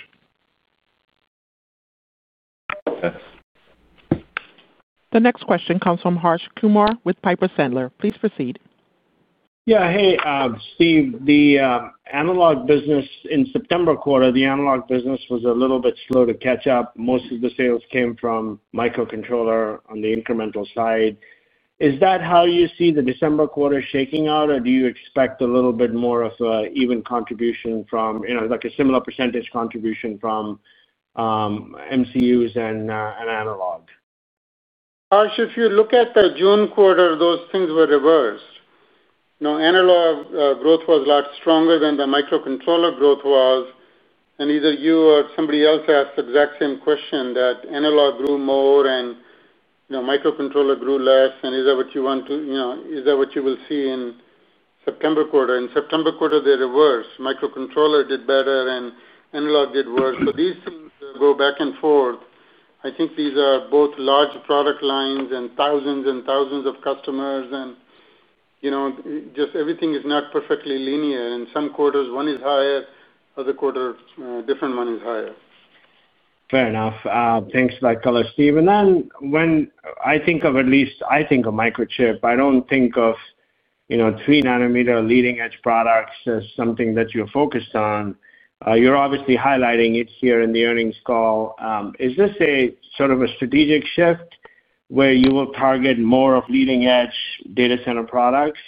The next question comes from Harsh Kumar with Piper Sandler. Please proceed. Yeah. Hey, Steve. The analog business in September quarter, the analog business was a little bit slow to catch up. Most of the sales came from microcontroller on the incremental side. Is that how you see the December quarter shaking out, or do you expect a little bit more of an even contribution from a similar percentage contribution from. MCUs and analog? Harsh, if you look at the June quarter, those things were reversed. Analog growth was a lot stronger than the microcontroller growth was. And either you or somebody else asked the exact same question, that analog grew more and. Microcontroller grew less. And is that what you want to is that what you will see in September quarter? In September quarter, they reversed. Microcontroller did better and analog did worse. So these things go back and forth. I think these are both large product lines and thousands and thousands of customers. And. Just everything is not perfectly linear. In some quarters, one is higher. Other quarter, different one is higher. Fair enough. Thanks for that color, Steve. And then when I think of at least I think of Microchip, I don't think of. 3 nm leading-edge products as something that you're focused on. You're obviously highlighting it here in the earnings call. Is this sort of a strategic shift where you will target more of leading-edge data center products?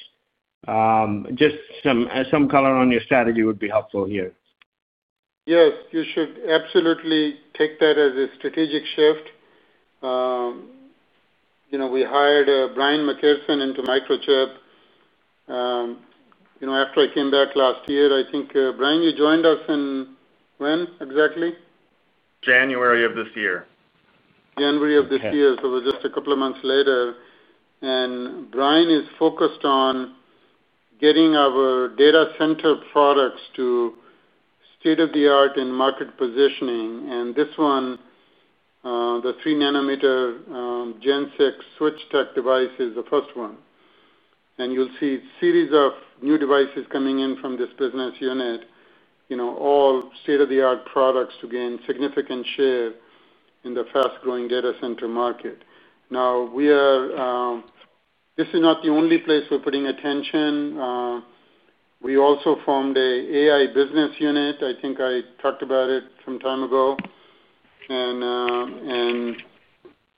Just some color on your strategy would be helpful here. Yes. You should absolutely take that as a strategic shift. We hired Brian McCarson into Microchip. After I came back last year, I think Brian, you joined us in when exactly? January of this year. January of this year. So it was just a couple of months later. And Brian is focused on. Getting our data center products to. State-of-the-art and market positioning. And this one, the 3 nm Gen 6 switch tech device is the first one. And you'll see a series of new devices coming in from this business unit. All state-of-the-art products to gain significant share in the fast-growing data center market. Now. This is not the only place we're putting attention. We also formed an AI business unit. I think I talked about it some time ago. And.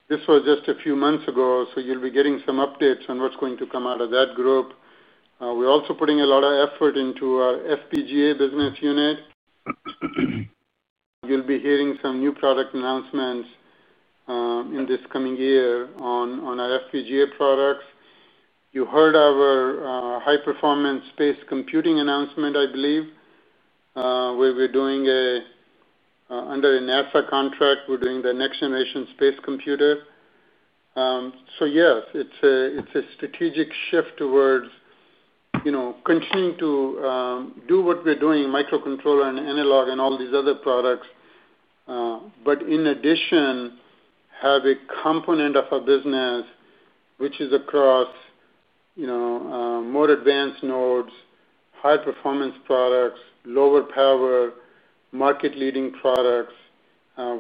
This was just a few months ago. So you'll be getting some updates on what's going to come out of that group. We're also putting a lot of effort into our FPGA business unit. You'll be hearing some new product announcements. In this coming year on our FPGA products. You heard our high-performance space computing announcement, I believe. Where we're doing a. Under an ASA contract. We're doing the next-generation space computer. So yes, it's a strategic shift towards. Continuing to do what we're doing, microcontroller and analog and all these other products. But in addition. Have a component of our business. Which is across. More advanced nodes, high-performance products, lower power, market-leading products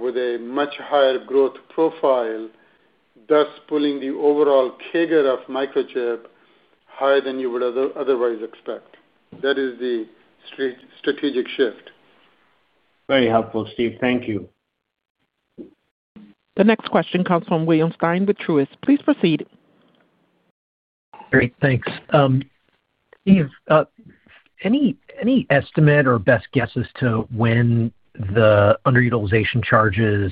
with a much higher growth profile. Thus pulling the overall figure of Microchip higher than you would otherwise expect. That is the. Strategic shift. Very helpful, Steve. Thank you. The next question comes from William Stein of Truist. Please proceed. Great. Thanks. Steve. Any estimate or best guess as to when the underutilization charges.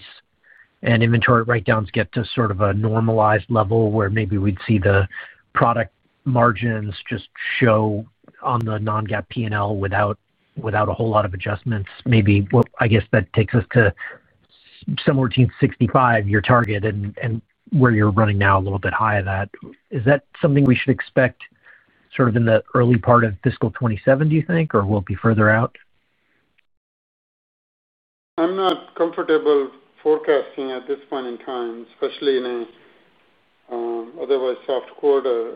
And inventory write-downs get to sort of a normalized level where maybe we'd see the product margins just show on the non-GAAP P&L without a whole lot of adjustments? Maybe, well, I guess that takes us to. Somewhere between 65%, your target, and where you're running now a little bit higher than that. Is that something we should expect sort of in the early part of fiscal 2027, do you think, or will it be further out? I'm not comfortable forecasting at this point in time, especially in a otherwise soft quarter.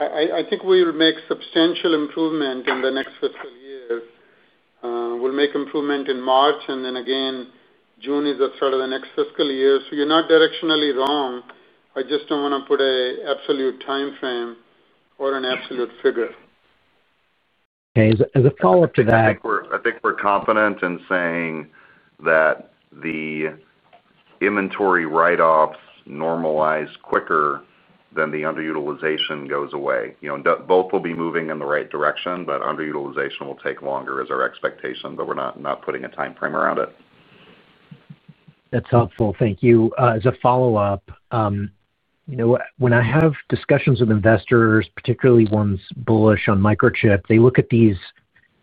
I think we will make substantial improvement in the next fiscal year. We'll make improvement in March, and then again, June is the start of the next fiscal year. So you're not directionally wrong. I just don't want to put an absolute time frame or an absolute figure. Okay. As a follow-up to that. I think we're confident in saying that the inventory write-offs normalize quicker than the underutilization goes away. Both will be moving in the right direction, but underutilization will take longer is our expectation, but we're not putting a time frame around it. That's helpful. Thank you. As a follow-up. When I have discussions with investors, particularly ones bullish on Microchip, they look at these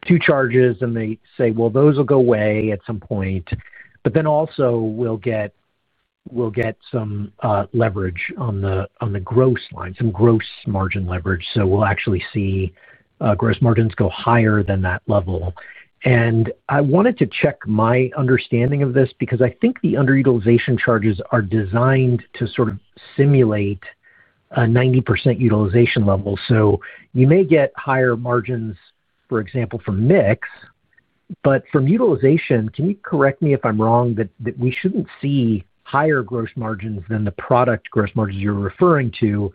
two charges and they say, "Well, those will go away at some point." But then also we'll get. Some leverage on the gross line, some gross margin leverage. So we'll actually see gross margins go higher than that level. And I wanted to check my understanding of this because I think the underutilization charges are designed to sort of simulate. A 90% utilization level. So you may get higher margins, for example, from mix. But from utilization, can you correct me if I'm wrong, that we shouldn't see higher gross margins than the product gross margins you're referring to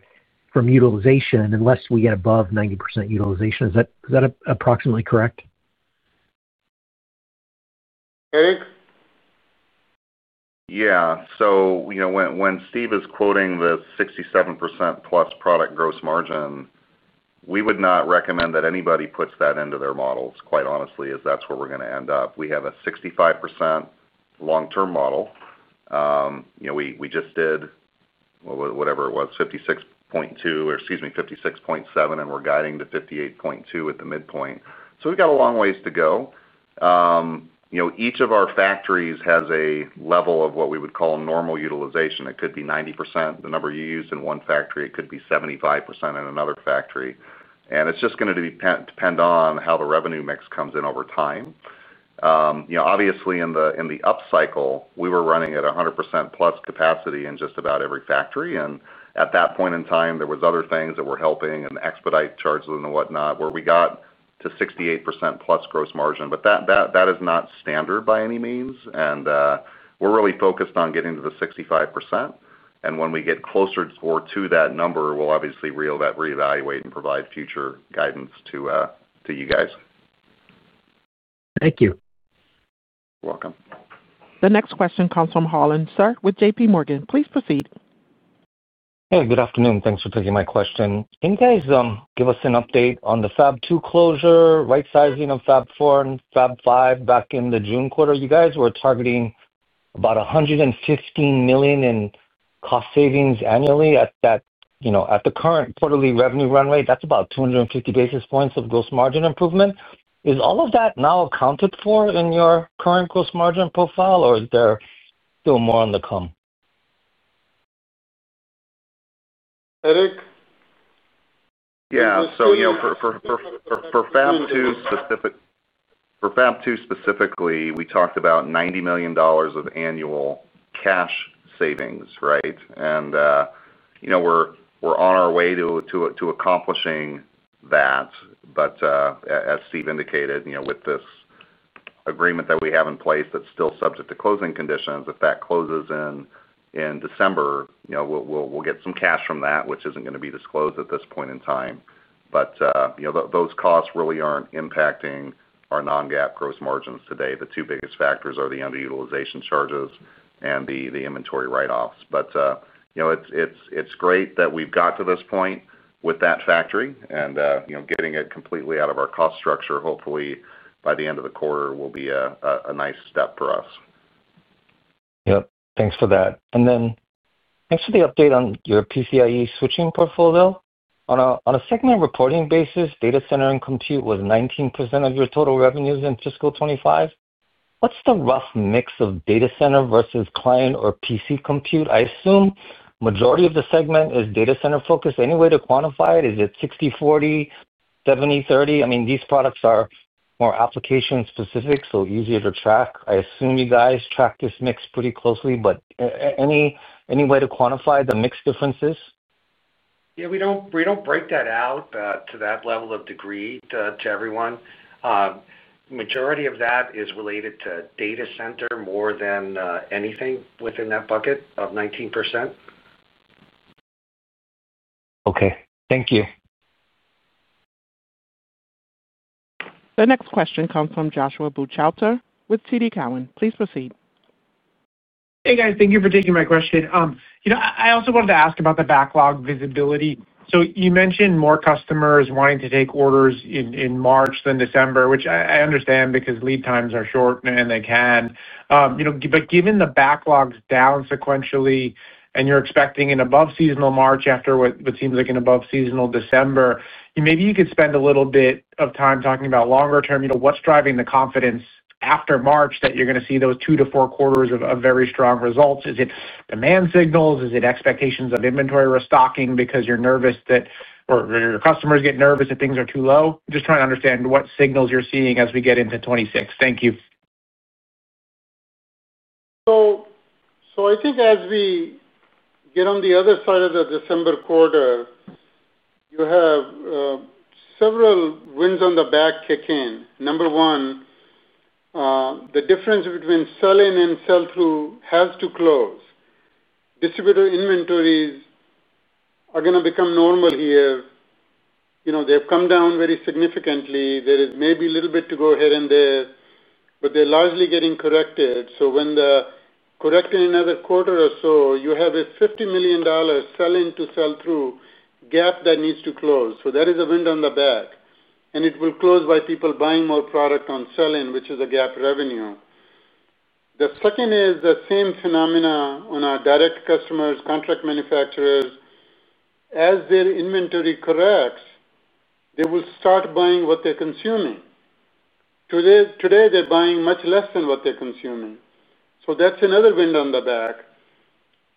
from utilization unless we get above 90% utilization? Is that approximately correct? Eric. Yeah. So when Steve is quoting the 67%+ product gross margin, we would not recommend that anybody puts that into their models, quite honestly, as that's where we're going to end up. We have a 65% long-term model. We just did whatever it was, 56.2% or excuse me, 56.7%, and we're guiding to 58.2% at the midpoint. So we've got a long ways to go. Each of our factories has a level of what we would call normal utilization. It could be 90%, the number you used in one factory. It could be 75% in another factory. And it's just going to depend on how the revenue mix comes in over time. Obviously, in the upcycle, we were running at 100%+ capacity in just about every factory. And at that point in time, there were other things that were helping and expedite charges and whatnot where we got to 68%+ gross margin. But that is not standard by any means. And we're really focused on getting to the 65%. And when we get closer or to that number, we'll obviously reevaluate and provide future guidance to you guys. Thank you. You're welcome. The next question comes from Harlan Sur with JPMorgan. Please proceed. Hey, good afternoon. Thanks for taking my question. Can you guys give us an update on the Fab 2 closure, right-sizing of Fab 4 and Fab 5 back in the June quarter? You guys were targeting about 115 million in cost savings annually at the current quarterly revenue run rate. That's about 250 basis points of gross margin improvement. Is all of that now accounted for in your current gross margin profile, or is there still more on the come? Eric. Yeah. So for Fab 2 specifically, we talked about $90 million of annual cash savings, right? And. We're on our way to accomplishing that. But as Steve indicated, with this agreement that we have in place that's still subject to closing conditions, if that closes in December. We'll get some cash from that, which isn't going to be disclosed at this point in time. But those costs really aren't impacting our non-GAAP gross margins today. The two biggest factors are the underutilization charges and the inventory write-offs. But. It's great that we've got to this point with that factory and getting it completely out of our cost structure. Hopefully, by the end of the quarter, will be a nice step for us. Yep. Thanks for that. And then thanks for the update on your PCIE switching portfolio. On a segment reporting basis, data center and compute was 19% of your total revenues in fiscal 2025. What's the rough mix of data center versus client or PC compute? I assume the majority of the segment is data center focused. Any way to quantify it? Is it 60/40, 70/30? I mean, these products are more application-specific, so easier to track. I assume you guys track this mix pretty closely, but any way to quantify the mix differences? Yeah. We don't break that out to that level of degree to everyone. The majority of that is related to data center more than anything within that bucket of 19%. Okay. Thank you. The next question comes from Joshua Buchalter with TD Cowen. Please proceed. Hey, guys. Thank you for taking my question. I also wanted to ask about the backlog visibility. So you mentioned more customers wanting to take orders in March than December, which I understand because lead times are short and they can. But given the backlogs down sequentially and you're expecting an above-seasonal March after what seems like an above-seasonal December, maybe you could spend a little bit of time talking about longer-term. What's driving the confidence after March that you're going to see those two to four quarters of very strong results? Is it demand signals? Is it expectations of inventory restocking because you're nervous that or your customers get nervous that things are too low? Just trying to understand what signals you're seeing as we get into 2026. Thank you. So I think as we. Get on the other side of the December quarter. You have. Several winds on the back kick in. Number one. The difference between sell-in and sell-through has to close. Distributor inventories. Are going to become normal here. They have come down very significantly. There may be a little bit to go ahead and there, but they're largely getting corrected. So when the corrected in another quarter or so, you have a $50 million sell-in to sell-through gap that needs to close. So that is a wind on the back. And it will close by people buying more product on sell-in, which is a GAAP revenue. The second is the same phenomena on our direct customers, contract manufacturers. As their inventory corrects, they will start buying what they're consuming. Today, they're buying much less than what they're consuming. So that's another wind on the back.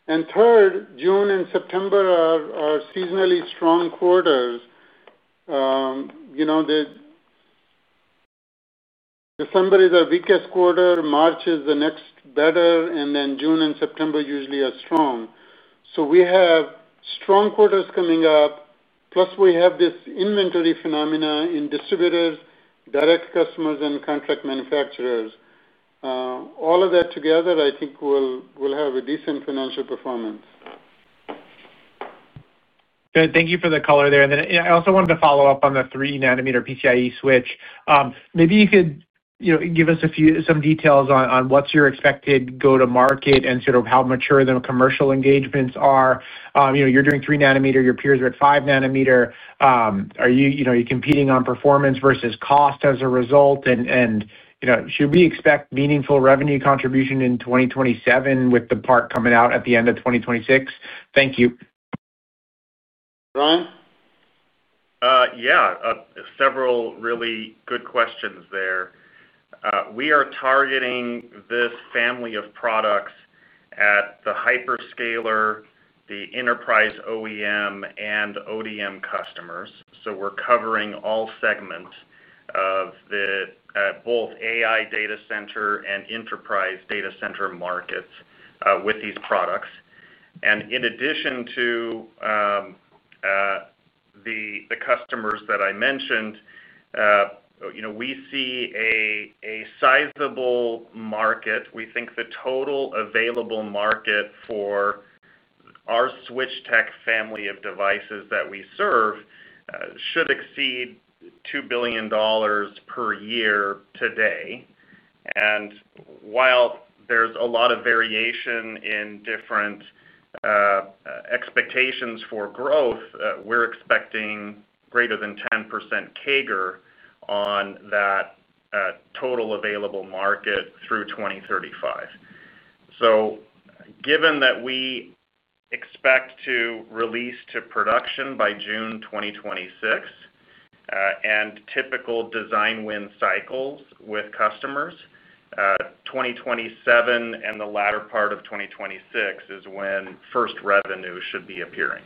And third, June and September are seasonally strong quarters. December is our weakest quarter. March is the next better. And then June and September usually are strong. So we have strong quarters coming up. Plus, we have this inventory phenomena in distributors, direct customers, and contract manufacturers. All of that together, I think we'll have a decent financial performance. Thank you for the color there. And then I also wanted to follow up on the 3 nm PCIE switch. Maybe you could give us some details on what's your expected go-to-market and sort of how mature the commercial engagements are. You're doing 3 nm. Your peers are at 5 nm. Are you competing on performance versus cost as a result? And should we expect meaningful revenue contribution in 2027 with the part coming out at the end of 2026? Thank you. Ryan? Yeah. Several really good questions there. We are targeting this family of products at the hyperscaler, the enterprise OEM, and ODM customers. So we're covering all segments of. Both AI data center and enterprise data center markets with these products. And in addition to. The customers that I mentioned. We see a sizable market. We think the total available market for. Our switch tech family of devices that we serve should exceed $2 billion per year today. And while there's a lot of variation in different. Expectations for growth, we're expecting greater than 10% CAGR on that. Total available market through 2035. So given that we expect to release to production by June 2026. And typical design win cycles with customers. 2027 and the latter part of 2026 is when first revenue should be appearing.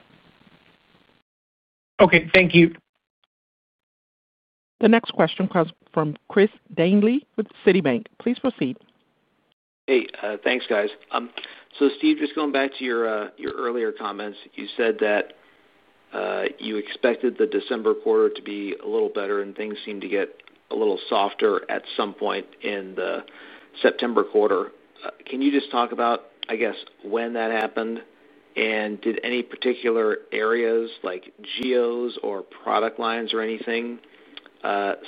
Okay. Thank you. The next question comes from Chris Danely with Citibank. Please proceed. Hey. Thanks, guys. So Steve, just going back to your earlier comments, you said that. You expected the December quarter to be a little better, and things seemed to get a little softer at some point in the September quarter. Can you just talk about, I guess, when that happened? And did any particular areas like geos or product lines or anything.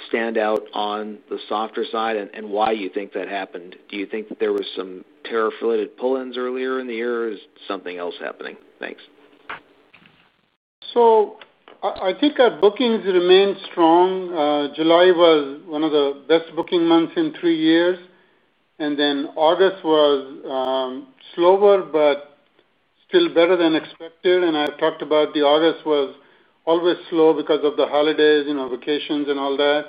Stand out on the softer side and why you think that happened? Do you think there were some tariff-related pull-ins earlier in the year or is something else happening? Thanks. So I think our bookings remain strong. July was one of the best booking months in three years. And then August was. Slower, but. Still better than expected. And I talked about the August was always slow because of the holidays, vacations, and all that.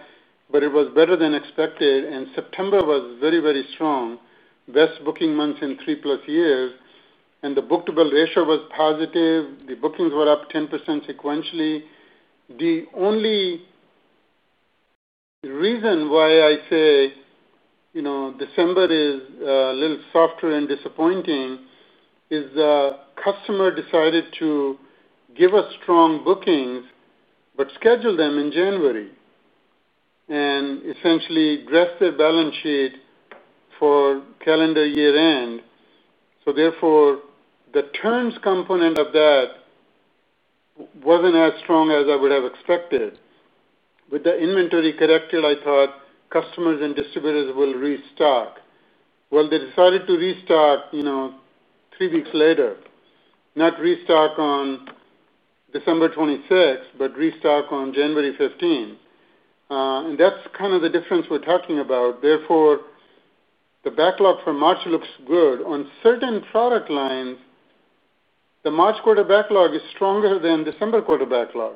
But it was better than expected. And September was very, very strong. Best booking months in three plus years. And the book-to-build ratio was positive. The bookings were up 10% sequentially. The only. Reason why I say. December is a little softer and disappointing is the customer decided to give us strong bookings. But schedule them in January. And essentially dress their balance sheet for calendar year-end. So therefore, the terms component of that. Wasn't as strong as I would have expected. With the inventory corrected, I thought customers and distributors will restock. Well, they decided to restock. Three weeks later, not restock on. December 26th, but restock on January 15th. And that's kind of the difference we're talking about. Therefore. The backlog for March looks good. On certain product lines. The March quarter backlog is stronger than December quarter backlog.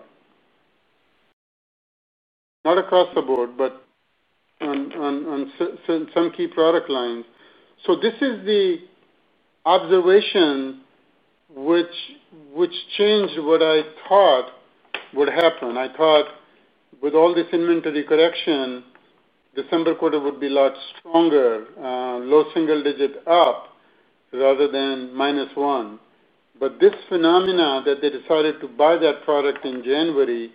Not across the board, but. On some key product lines. So this is the. Observation. Which. Changed what I thought would happen. I thought with all this inventory correction. December quarter would be a lot stronger, low single-digit up. Rather than minus one. But this phenomena that they decided to buy that product in January.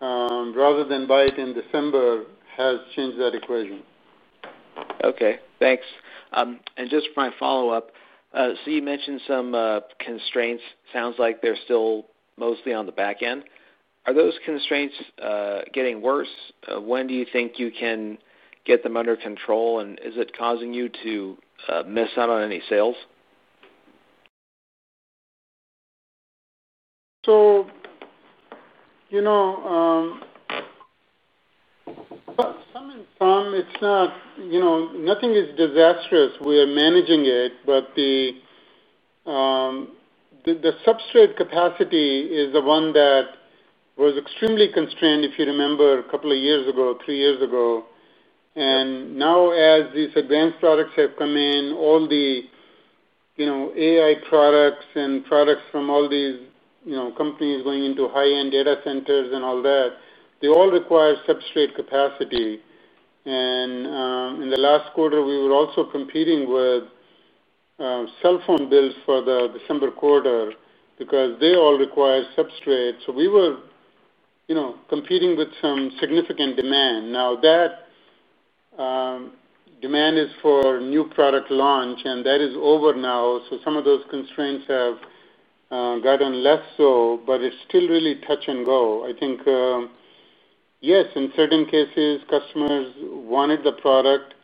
Rather than buy it in December, has changed that equation. Okay. Thanks. And just for my follow-up, so you mentioned some constraints. Sounds like they're still mostly on the back end. Are those constraints getting worse? When do you think you can get them under control? And is it causing you to. Miss out on any sales? So. Some and some. Nothing is disastrous. We are managing it. But the. Substrate capacity is the one that. Was extremely constrained, if you remember, a couple of years ago, three years ago. And now, as these advanced products have come in, all the. AI products and products from all these companies going into high-end data centers and all that, they all require substrate capacity. And in the last quarter, we were also competing with. Cell phone builds for the December quarter because they all require substrate. So we were. Competing with some significant demand. Now, that. Demand is for new product launch, and that is over now. So some of those constraints have. Gotten less so, but it's still really touch and go. I think. Yes, in certain cases, customers wanted the product.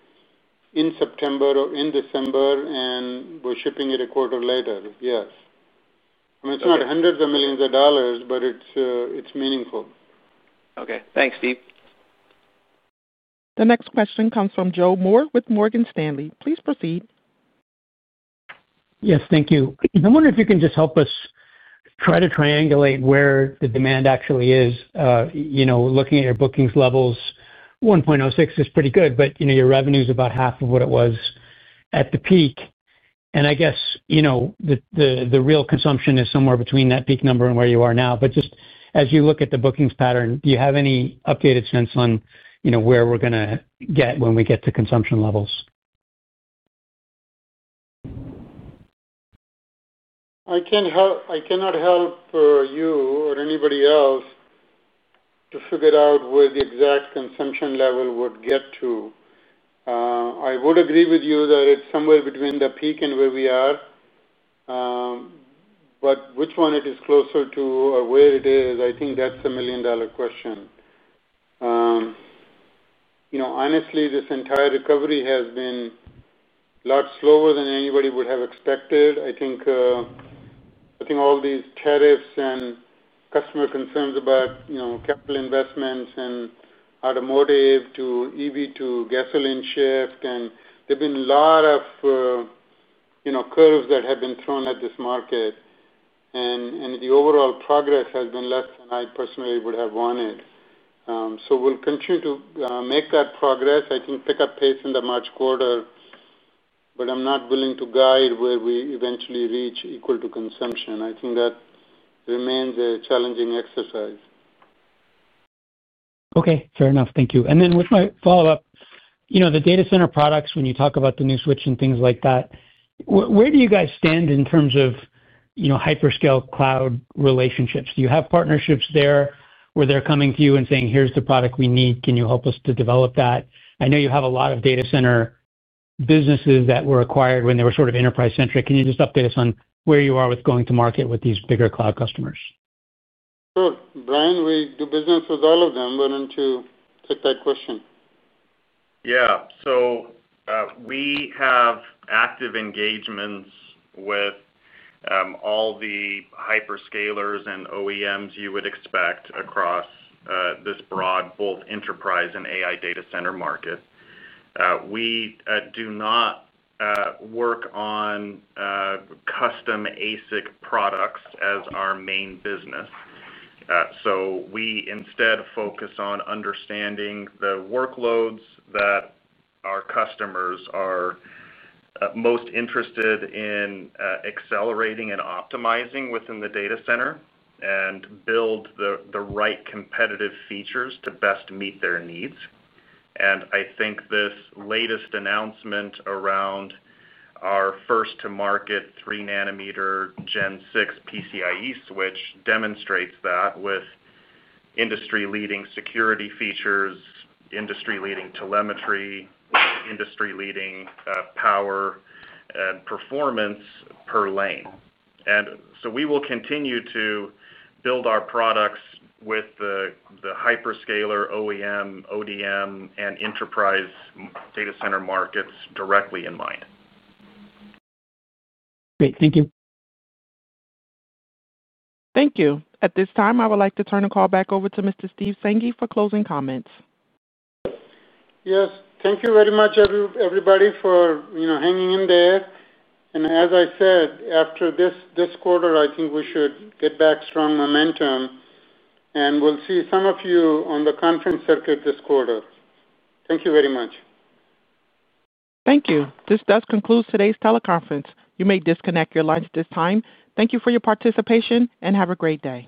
In September or in December and were shipping it a quarter later. Yes. I mean, it's not hundreds of millions of dollars, but it's meaningful. Okay. Thanks, Steve. The next question comes from Joe Moore with Morgan Stanley. Please proceed. Yes. Thank you. I wonder if you can just help us try to triangulate where the demand actually is. Looking at your bookings levels, 1.06x is pretty good, but your revenue is about half of what it was at the peak. And I guess. The real consumption is somewhere between that peak number and where you are now. But just as you look at the bookings pattern, do you have any updated sense on where we're going to get when we get to consumption levels? I cannot help you or anybody else. To figure out where the exact consumption level would get to. I would agree with you that it's somewhere between the peak and where we are. But which one it is closer to or where it is, I think that's a million-dollar question. Honestly, this entire recovery has been. A lot slower than anybody would have expected. I think. All these tariffs and customer concerns about capital investments and automotive to EV to gasoline shift. And there have been a lot of. Curves that have been thrown at this market. And the overall progress has been less than I personally would have wanted. So we'll continue to make that progress. I think pick up pace in the March quarter. But I'm not willing to guide where we eventually reach equal-to-consumption. I think that. Remains a challenging exercise. Okay. Fair enough. Thank you. And then with my follow-up, the data center products, when you talk about the new switch and things like that. Where do you guys stand in terms of. Hyperscale cloud relationships? Do you have partnerships there where they're coming to you and saying, "Here's the product we need. Can you help us to develop that?" I know you have a lot of data center businesses that were acquired when they were sort of enterprise-centric. Can you just update us on where you are with going to market with these bigger cloud customers? Sure. Brian, we do business with all of them. Why don't you take that question? Yeah. So. We have active engagements with. All the hyperscalers and OEMs you would expect across this broad both enterprise and AI data center market. We do not. Work on. Custom ASIC products as our main business. So we instead focus on understanding the workloads that our customers are. Most interested in. Accelerating and optimizing within the data center and build the right competitive features to best meet their needs. And I think this latest announcement around. Our first-to-market 3 nm Gen 6 PCIe switch demonstrates that with. Industry-leading security features, industry-leading telemetry, industry-leading power, and performance per lane. And so we will continue to. Build our products with the hyperscaler, OEM, ODM, and enterprise data center markets directly in mind. Great. Thank you. Thank you. At this time, I would like to turn the call back over to Mr. Steve Sanghi for closing comments. Yes. Thank you very much, everybody, for hanging in there. And as I said, after this quarter, I think we should get back strong momentum. And we'll see some of you on the conference circuit this quarter. Thank you very much. Thank you. This does conclude today's teleconference. You may disconnect your lines at this time. Thank you for your participation and have a great day.